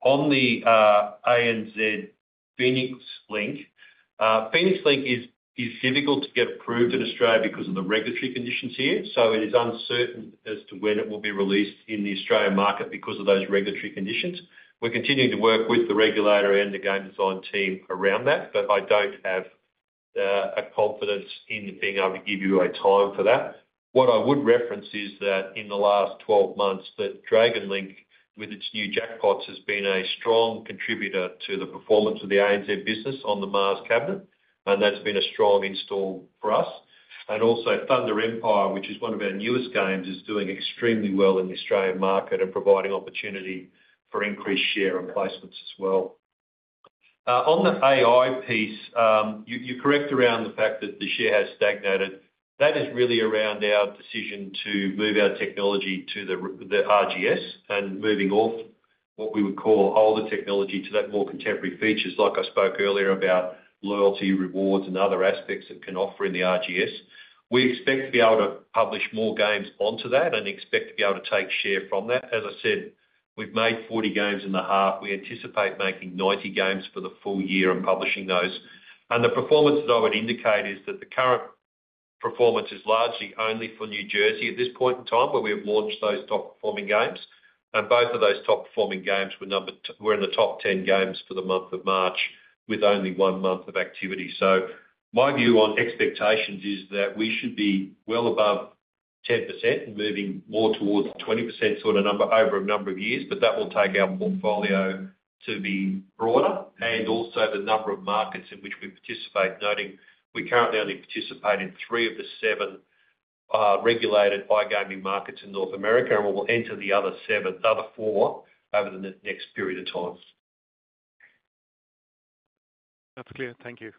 B: On the ANZ Phoenix Link, Phoenix Link is difficult to get approved in Australia because of the regulatory conditions here. It is uncertain as to when it will be released in the Australian market because of those regulatory conditions. We're continuing to work with the regulator and the game design team around that, but I don't have a confidence in being able to give you a time for that. What I would reference is that in the last 12 months, that Dragon Link, with its new jackpots, has been a strong contributor to the performance of the ANZ business on the Mars cabinet. That's been a strong install for us. Also, Thunder Empire, which is one of our newest games, is doing extremely well in the Australian market and providing opportunity for increased share and placements as well. On the AI piece, you're correct around the fact that the share has stagnated. That is really around our decision to move our technology to the RGS and moving off what we would call older technology to that more contemporary features, like I spoke earlier about loyalty, rewards, and other aspects it can offer in the RGS. We expect to be able to publish more games onto that and expect to be able to take share from that. As I said, we've made 40 games in the half. We anticipate making 90 games for the full year and publishing those. The performance that I would indicate is that the current performance is largely only for New Jersey at this point in time where we have launched those top-performing games. Both of those top-performing games were in the top 10 games for the month of March with only one month of activity. My view on expectations is that we should be well above 10% and moving more towards the 20% sort of number over a number of years, but that will take our portfolio to be broader. Also the number of markets in which we participate, noting we currently only participate in three of the seven regulated iGaming markets in North America, and we will enter the other four over the next period of time.
H: That's clear. Thank you.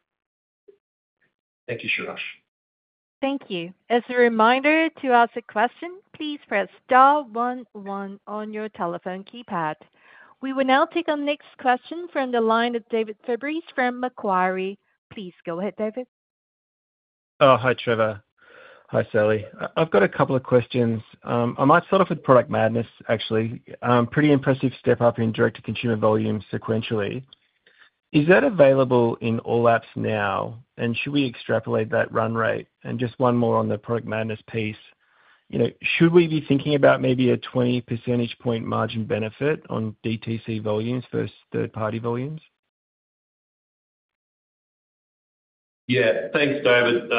B: Thank you, Sriharsh.
A: Thank you. As a reminder to ask a question, please press star one-one on your telephone keypad. We will now take our next question from the line of David Fabris from Macquarie. Please go ahead, David.
I: Hi, Trevor. Hi, Sally. I've got a couple of questions. I might start off with Product Madness, actually. Pretty impressive step-up in direct-to-consumer volume sequentially. Is that available in all apps now? Should we extrapolate that run rate? Just one more on the Product Madness piece. Should we be thinking about maybe a 20 percentage point margin benefit on DTC volumes versus third-party volumes?
B: Yeah. Thanks, David.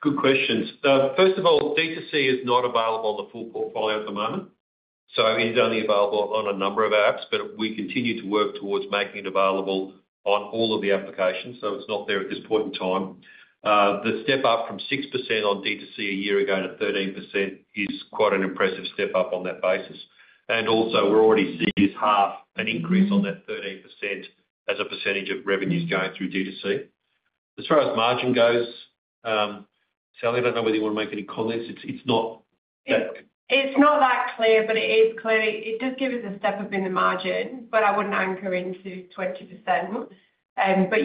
B: Good questions. First of all, DTC is not available on the full portfolio at the moment. It is only available on a number of apps, but we continue to work towards making it available on all of the applications. It is not there at this point in time. The step-up from 6% on DTC a year ago to 13% is quite an impressive step-up on that basis. Also, we are already seeing this half an increase on that 13% as a percentage of revenues going through DTC. As far as margin goes, Sally, I do not know whether you want to make any comments. It is not that.
C: It is not that clear, but it is clear. It does give us a step up in the margin, but I would not anchor into 20%.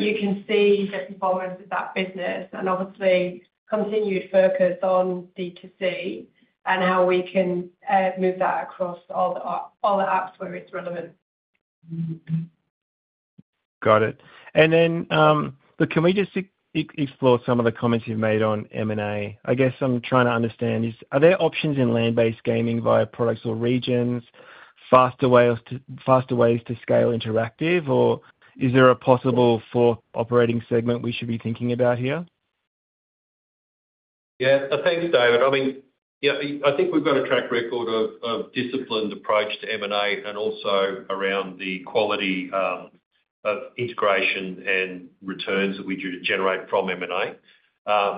C: You can see the performance of that business and obviously continued focus on DTC and how we can move that across all the apps where it is relevant.
I: Got it. Can we just explore some of the comments you have made on M&A? I guess I am trying to understand, are there options in land-based gaming via products or regions, faster ways to scale Interactive, or is there a possible fourth operating segment we should be thinking about here?
B: Yeah. Thanks, David. I mean, I think we've got a track record of disciplined approach to M&A and also around the quality of integration and returns that we do to generate from M&A.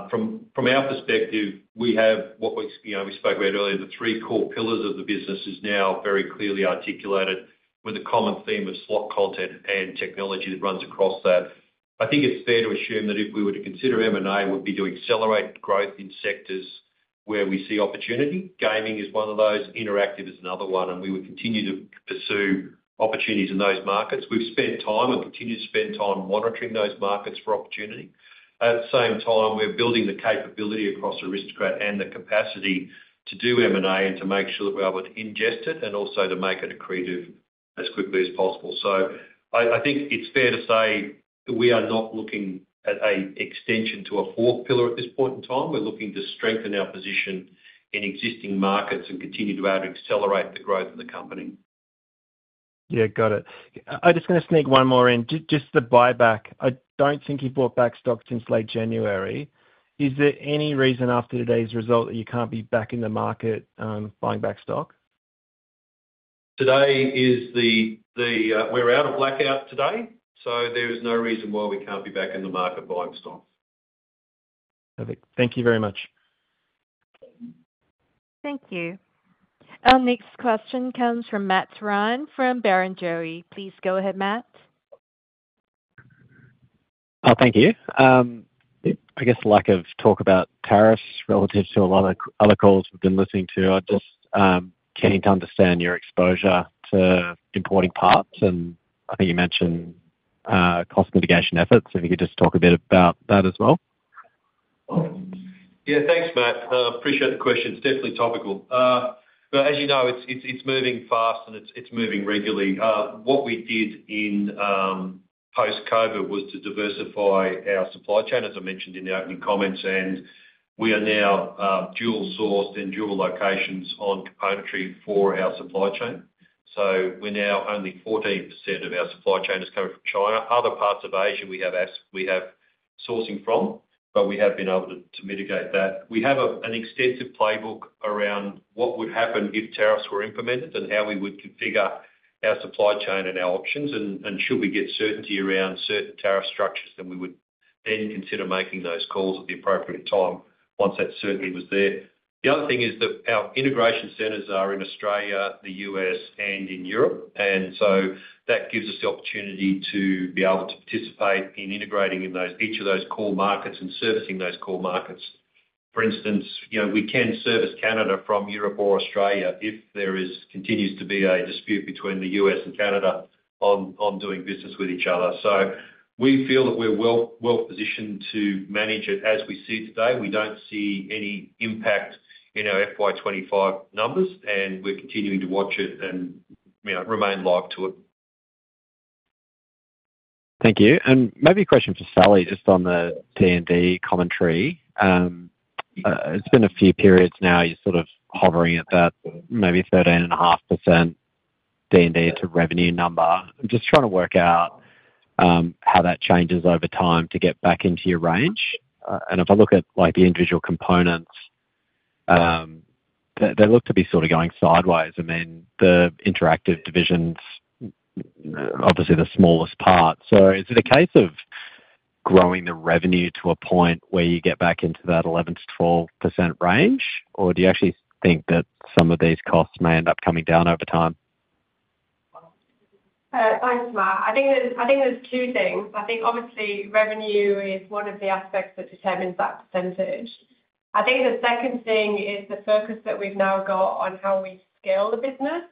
B: From our perspective, we have what we spoke about earlier, the three core pillars of the business is now very clearly articulated with a common theme of slot content and technology that runs across that. I think it's fair to assume that if we were to consider M&A, we'd be doing accelerated growth in sectors where we see opportunity. Gaming is one of those. Interactive is another one. We would continue to pursue opportunities in those markets. We've spent time and continue to spend time monitoring those markets for opportunity. At the same time, we're building the capability across Aristocrat and the capacity to do M&A and to make sure that we're able to ingest it and also to make it accretive as quickly as possible. I think it's fair to say we are not looking at an extension to a fourth pillar at this point in time. We're looking to strengthen our position in existing markets and continue to be able to accelerate the growth of the company.
I: Yeah, got it. I just want to sneak one more in. Just the buyback. I don't think you bought back stock since late January. Is there any reason after today's result that you can't be back in the market buying back stock?
B: Today is the we're out of blackout today. There is no reason why we can't be back in the market buying stock.
I: Perfect. Thank you very much.
A: Thank you. Our next question comes from Matt Ryan from Barrenjoey. Please go ahead, Matt.
J: Thank you. I guess lack of talk about tariffs relative to a lot of other calls we've been listening to. I just came to understand your exposure to importing parts, and I think you mentioned cost mitigation efforts. If you could just talk a bit about that as well.
B: Yeah, thanks, Matt. Appreciate the question. It's definitely topical. As you know, it's moving fast, and it's moving regularly. What we did in post-COVID was to diversify our supply chain, as I mentioned in the opening comments, and we are now dual-sourced and dual-locations on componentry for our supply chain. We're now only 14% of our supply chain is coming from China. Other parts of Asia we have sourcing from, but we have been able to mitigate that. We have an extensive playbook around what would happen if tariffs were implemented and how we would configure our supply chain and our options. Should we get certainty around certain tariff structures, we would then consider making those calls at the appropriate time once that certainty was there. The other thing is that our integration centers are in Australia, the U.S., and in Europe. That gives us the opportunity to be able to participate in integrating in each of those core markets and servicing those core markets. For instance, we can service Canada from Europe or Australia if there continues to be a dispute between the U.S. and Canada on doing business with each other. We feel that we're well-positioned to manage it as we see today. We do not see any impact in our FY25 numbers, and we are continuing to watch it and remain live to it.
J: Thank you. Maybe a question for Sally just on the D&D commentary. It has been a few periods now you are sort of hovering at that maybe 13.5% D&D to revenue number. I am just trying to work out how that changes over time to get back into your range. If I look at the individual components, they look to be sort of going sideways. I mean, the Interactive divisions, obviously the smallest part. Is it a case of growing the revenue to a point where you get back into that 11%-12% range, or do you actually think that some of these costs may end up coming down over time?
C: Thanks, Matt. I think there are two things. I think obviously revenue is one of the aspects that determines that %. I think the second thing is the focus that we've now got on how we scale the business.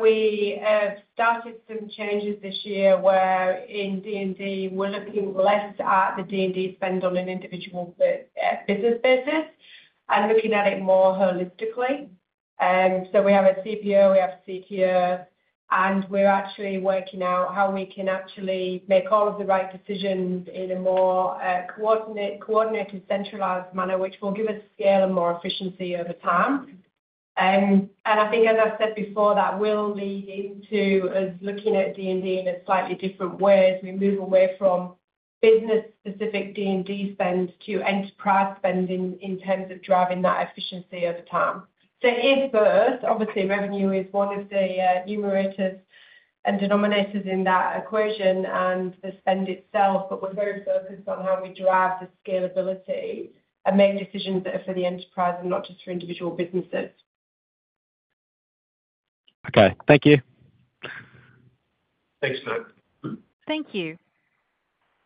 C: We have started some changes this year where in D&D we're looking less at the D&D spend on an individual business basis and looking at it more holistically. We have a CPO, we have a CTO, and we're actually working out how we can actually make all of the right decisions in a more coordinated, centralized manner, which will give us scale and more efficiency over time. I think, as I've said before, that will lead into us looking at D&D in a slightly different way as we move away from business-specific D&D spend to enterprise spend in terms of driving that efficiency over time. If birth, obviously revenue is one of the numerators and denominators in that equation and the spend itself, but we're very focused on how we drive the scalability and make decisions that are for the enterprise and not just for individual businesses.
J: Okay. Thank you.
B: Thanks, Matt.
A: Thank you.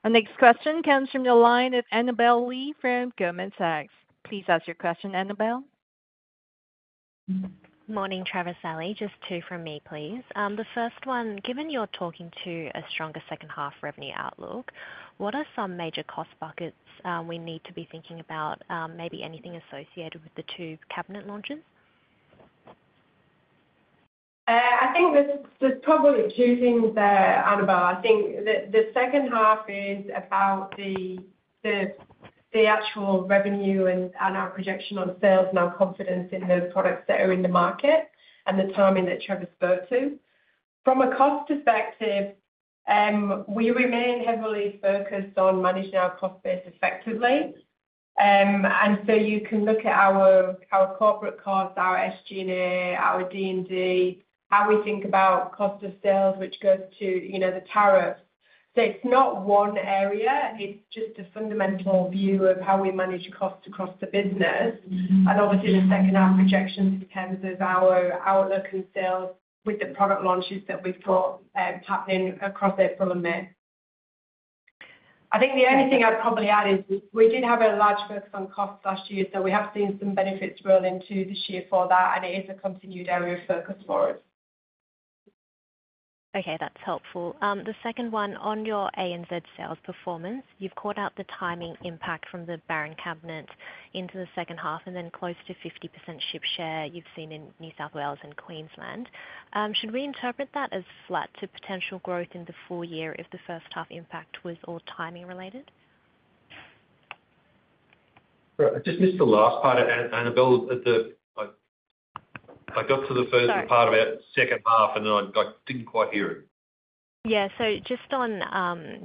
A: Our next question comes from the line of Annabel Li from Goldman Sachs. Please ask your question, Annabel.
K: Morning, Trevor, Sally. Just two from me, please. The first one, given you're talking to a stronger second-half revenue outlook, what are some major cost buckets we need to be thinking about, maybe anything associated with the two cabinet launches?
C: I think there's probably two things there, Annabel. I think the second half is about the actual revenue and our projection on sales and our confidence in the products that are in the market and the timing that Trevor spoke to. From a cost perspective, we remain heavily focused on managing our cost base effectively. You can look at our corporate costs, our SG&A, our D&D, how we think about cost of sales, which goes to the tariffs. It is not one area. It is just a fundamental view of how we manage costs across the business. Obviously, the second-half projection in terms of our outlook and sales with the product launches that we have got happening across April and May. I think the only thing I would probably add is we did have a large focus on costs last year, so we have seen some benefits roll into this year for that, and it is a continued area of focus for us.
K: Okay, that is helpful. The second one, on your ANZ sales performance, you've called out the timing impact from the Baron Cabinet into the second half and then close to 50% ship share you've seen in New South Wales and Queensland. Should we interpret that as flat to potential growth in the full year if the first-half impact was all timing-related?
B: I just missed the last part, Annabel. I got to the first part of our second half, and then I didn't quite hear it.
K: Yeah. Just on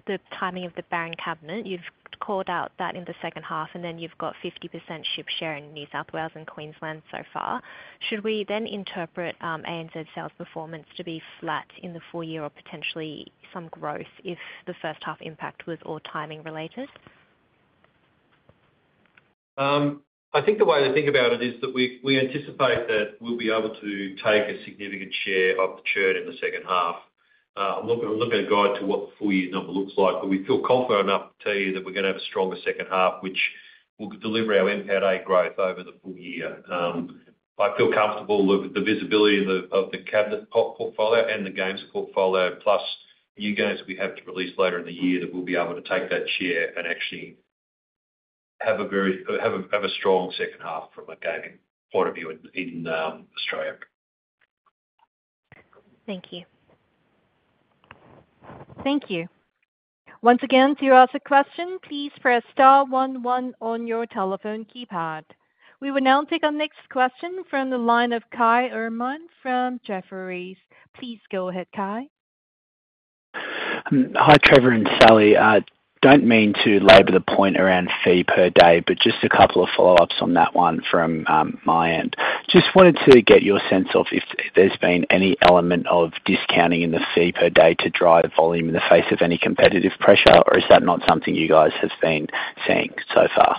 K: the timing of the Baron Cabinet, you've called out that in the second half, and then you've got 50% ship share in New South Wales and Queensland so far. Should we then interpret ANZ sales performance to be flat in the full year or potentially some growth if the first-half impact was all timing-related?
B: I think the way to think about it is that we anticipate that we'll be able to take a significant share of the churn in the second half. I'm not going to guide to what the full year number looks like, but we feel confident enough to tell you that we're going to have a stronger second half, which will deliver our NPATA growth over the full year. I feel comfortable with the visibility of the cabinet portfolio and the games portfolio, plus new games we have to release later in the year that we'll be able to take that share and actually have a strong second half from a gaming point of view in Australia.
K: Thank you.
A: Thank you. Once again, to ask a question, please press star one-one on your telephone keypad. We will now take our next question from the line of Kai Erman from Jefferies. Please go ahead, Kai.
L: Hi, Trevor and Sally. I do not mean to labour the point around fee per day, but just a couple of follow-ups on that one from my end. Just wanted to get your sense of if there has been any element of discounting in the fee per day to drive volume in the face of any competitive pressure, or is that not something you guys have been seeing so far?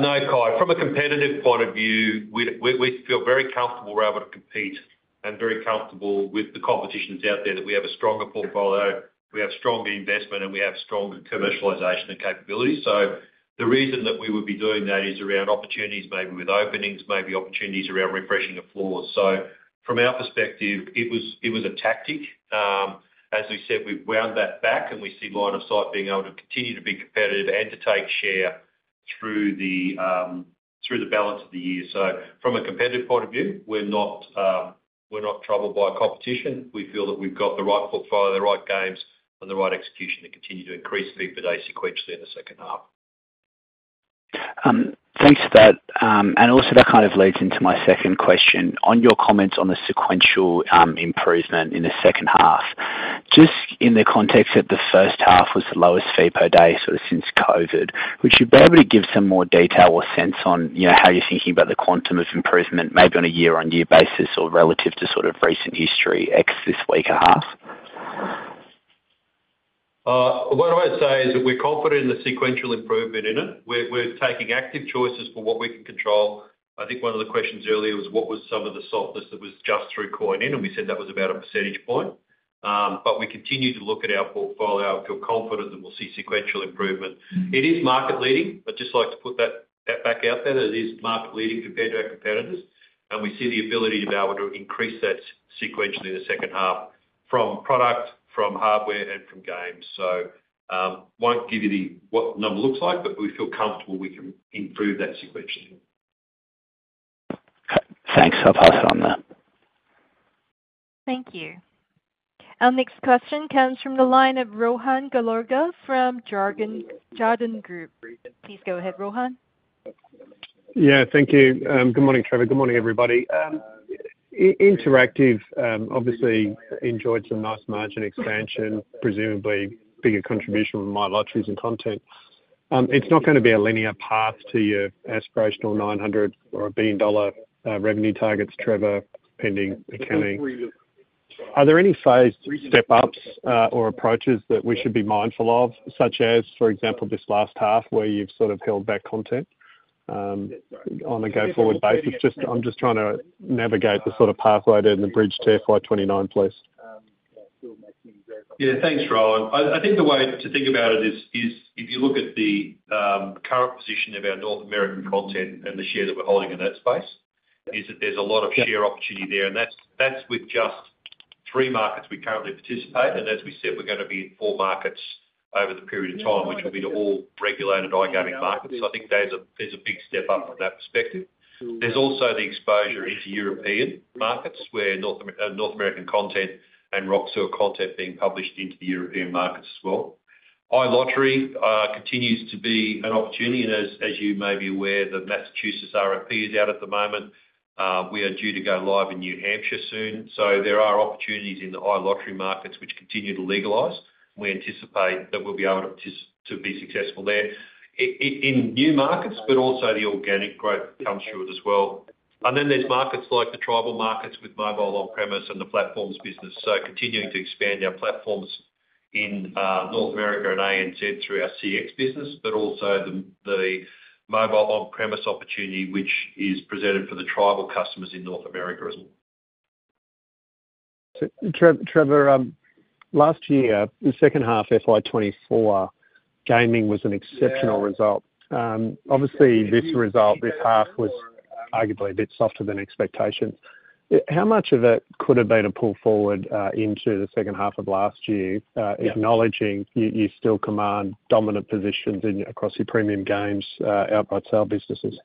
B: No, Kai. From a competitive point of view, we feel very comfortable we are able to compete and very comfortable with the competition out there that we have a stronger portfolio, we have stronger investment, and we have stronger commercialisation and capability. The reason that we would be doing that is around opportunities, maybe with openings, maybe opportunities around refreshing a floor. From our perspective, it was a tactic. As we said, we've wound that back, and we see line of sight being able to continue to be competitive and to take share through the balance of the year. From a competitive point of view, we're not troubled by competition. We feel that we've got the right portfolio, the right games, and the right execution to continue to increase fee per day sequentially in the second half.
L: Thanks for that. Also, that kind of leads into my second question. On your comments on the sequential improvement in the second half, just in the context that the first half was the lowest fee per day sort of since COVID, would you be able to give some more detail or sense on how you're thinking about the quantum of improvement, maybe on a year-on-year basis or relative to sort of recent history X this week or half?
B: What I would say is that we're confident in the sequential improvement in it. We're taking active choices for what we can control. I think one of the questions earlier was, what was some of the softness that was just through coin in? And we said that was about a percentage point. We continue to look at our portfolio. I feel confident that we'll see sequential improvement. It is market-leading, but just like to put that back out there that it is market-leading compared to our competitors. We see the ability to be able to increase that sequentially in the second half from product, from hardware, and from games. I won't give you what the number looks like, but we feel comfortable we can improve that sequentially.
L: Okay. Thanks. I'll pass it on there.
A: Thank you. Our next question comes from the line of Rohan Gallagher from Jarden Group. Please go ahead, Rohan.
M: Yeah, thank you. Good morning, Trevor. Good morning, everybody. Interactive, obviously enjoyed some nice margin expansion, presumably bigger contribution with iLotteries and content. It's not going to be a linear path to your aspirational $900 million or $1 billion revenue targets, Trevor, pending accounting. Are there any phased step-ups or approaches that we should be mindful of, such as, for example, this last half where you've sort of held back content on a go forward basis? I'm just trying to navigate the sort of pathway there in the bridge to FY2029, please.
B: Yeah, thanks, Rohan. I think the way to think about it is if you look at the current position of our North American content and the share that we're holding in that space, is that there's a lot of share opportunity there. That's with just three markets we currently participate. As we said, we're going to be in four markets over the period of time, which will be the all-regulated iGaming markets. I think there's a big step up from that perspective. There's also the exposure into European markets where North American content and Roxor content being published into the European markets as well. iLottery continues to be an opportunity. As you may be aware, the Massachusetts RFP is out at the moment. We are due to go live in New Hampshire soon. There are opportunities in the iLottery markets, which continue to legalise. We anticipate that we'll be able to be successful there. In new markets, but also the organic growth comes through it as well. There are markets like the tribal markets with mobile on-premise and the platforms business. Continuing to expand our platforms in North America and ANZ through our CX business, but also the mobile on-premise opportunity, which is presented for the tribal customers in North America as well.
M: Trevor, last year, the second half, FY2024, gaming was an exceptional result. Obviously, this result, this half, was arguably a bit softer than expectations. How much of it could have been a pull forward into the second half of last year, acknowledging you still command dominant positions across your premium games outright sale businesses?
B: Yeah.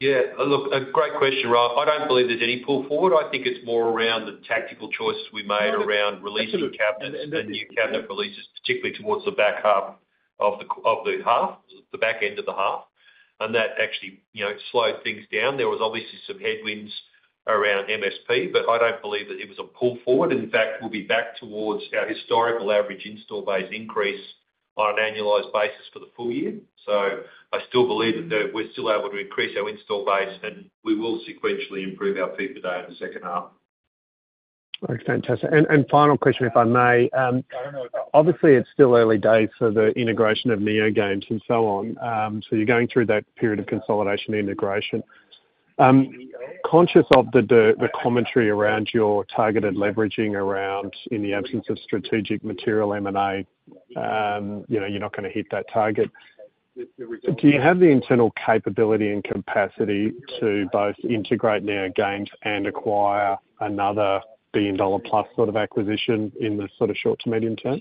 B: Look, a great question, Rohan. I don't believe there's any pull forward. I think it's more around the tactical choices we made around releasing the new cabinet releases, particularly towards the back half of the half, the back end of the half. That actually slowed things down. There was obviously some headwinds around MSP, but I don't believe that it was a pull forward. In fact, we'll be back towards our historical average install base increase on an annualized basis for the full year. I still believe that we're still able to increase our install base, and we will sequentially improve our fee per day in the second half.
M: Fantastic. Final question, if I may. Obviously, it's still early days for the integration of NeoGames and so on. You're going through that period of consolidation integration. Conscious of the commentary around your targeted leveraging around, in the absence of strategic material M&A, you're not going to hit that target. Do you have the internal capability and capacity to both integrate NeoGames and acquire another billion-dollar plus sort of acquisition in the sort of short to medium term?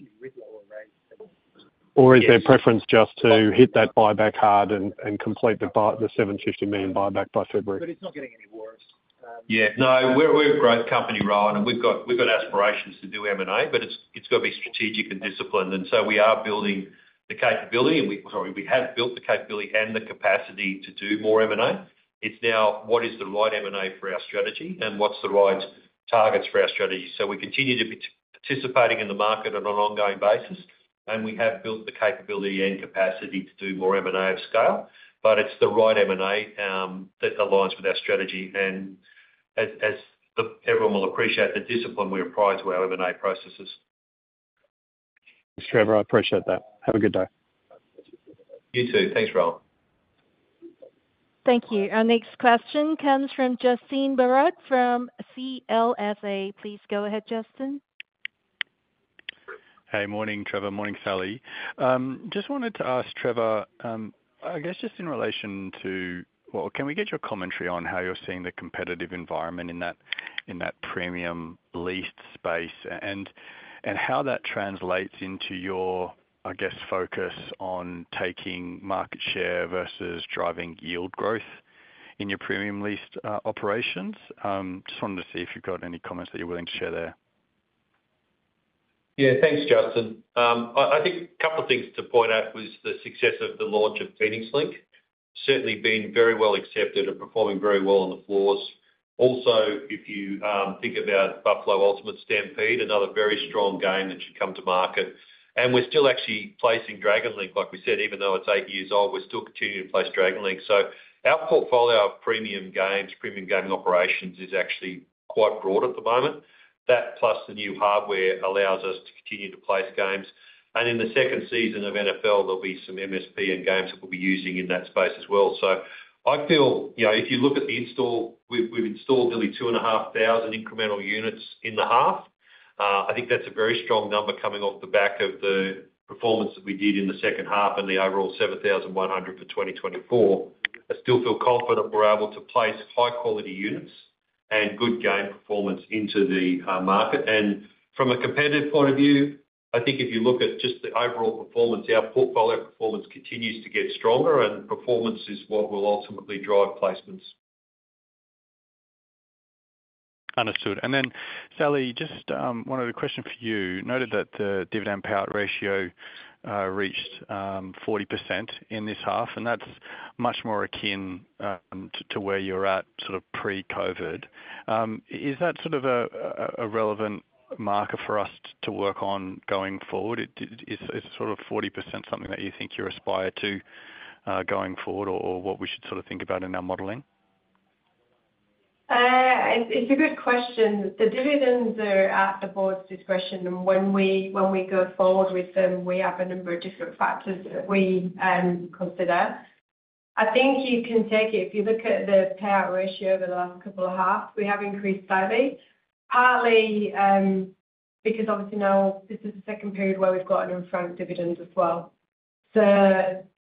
M: Is there preference just to hit that buyback hard and complete the $750 million buyback by February? It's not getting any worse.
B: Yeah. No, we're a growth company, Rohan, and we've got aspirations to do M&A, but it's got to be strategic and disciplined. We are building the capability, and sorry, we have built the capability and the capacity to do more M&A. It's now, what is the right M&A for our strategy, and what's the right targets for our strategy? We continue to be participating in the market on an ongoing basis, and we have built the capability and capacity to do more M&A of scale, but it is the right M&A that aligns with our strategy. As everyone will appreciate, the discipline we apply to our M&A processes.
M: Thanks, Trevor. I appreciate that. Have a good day.
B: You too. Thanks, Rohan. Thank you.
A: Our next question comes from Justin Barratt from CLSA. Please go ahead, Justin.
N: Hey, morning, Trevor. Morning, Sally. Just wanted to ask, Trevor, I guess just in relation to, can we get your commentary on how you are seeing the competitive environment in that premium lease space and how that translates into your focus on taking market share versus driving yield growth in your premium lease operations? Just wanted to see if you have any comments that you are willing to share there.
B: Yeah, thanks, Justin. I think a couple of things to point out was the success of the launch of Phoenix Link. Certainly been very well accepted and performing very well on the floors. Also, if you think about Buffalo Ultimate Stampede, another very strong game that should come to market. We're still actually placing Dragon Link, like we said, even though it's eight years old, we're still continuing to place Dragon Link. Our portfolio of premium games, premium gaming operations is actually quite broad at the moment. That plus the new hardware allows us to continue to place games. In the second season of NFL, there'll be some MSP and games that we'll be using in that space as well. I feel if you look at the install, we've installed nearly 2,500 incremental units in the half. I think that's a very strong number coming off the back of the performance that we did in the second half and the overall 7,100 for 2024. I still feel confident we're able to place high-quality units and good game performance into the market. From a competitive point of view, I think if you look at just the overall performance, our portfolio performance continues to get stronger, and performance is what will ultimately drive placements.
N: Understood. Then, Sally, just one other question for you. Noted that the dividend payout ratio reached 40% in this half, and that's much more akin to where you're at sort of pre-COVID. Is that sort of a relevant marker for us to work on going forward? Is sort of 40% something that you think you aspire to going forward or what we should sort of think about in our modelling?
C: It's a good question. The dividends are at the board's discretion. When we go forward with them, we have a number of different factors that we consider. I think you can take it. If you look at the payout ratio over the last couple of halves, we have increased slightly, partly because obviously now this is the second period where we've got an upfront dividend as well.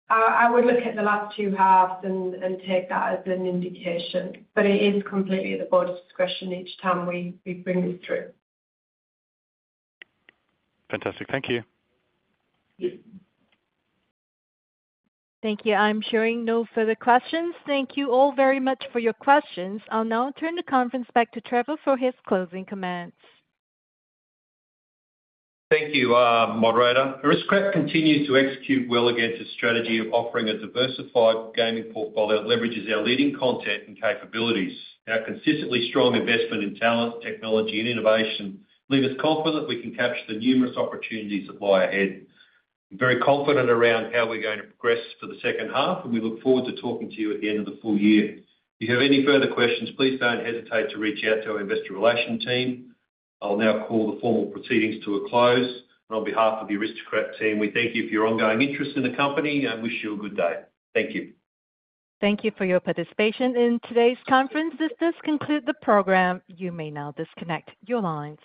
C: I would look at the last two halves and take that as an indication, but it is completely at the board's discretion each time we bring this through.
N: Fantastic. Thank you.
A: Thank you. I'm showing no further questions. Thank you all very much for your questions. I'll now turn the conference back to Trevor for his closing comments.
B: Thank you, Moderator. Aristocrat continues to execute well against a strategy of offering a diversified gaming portfolio that leverages our leading content and capabilities. Our consistently strong investment in talent, technology, and innovation leaves us confident that we can capture the numerous opportunities that lie ahead. I'm very confident around how we're going to progress for the second half, and we look forward to talking to you at the end of the full year. If you have any further questions, please don't hesitate to reach out to our investor relations team. I'll now call the formal proceedings to a close. On behalf of the Aristocrat team, we thank you for your ongoing interest in the company and wish you a good day. Thank you.
A: Thank you for your participation in today's conference. This does conclude the program. You may now disconnect your lines.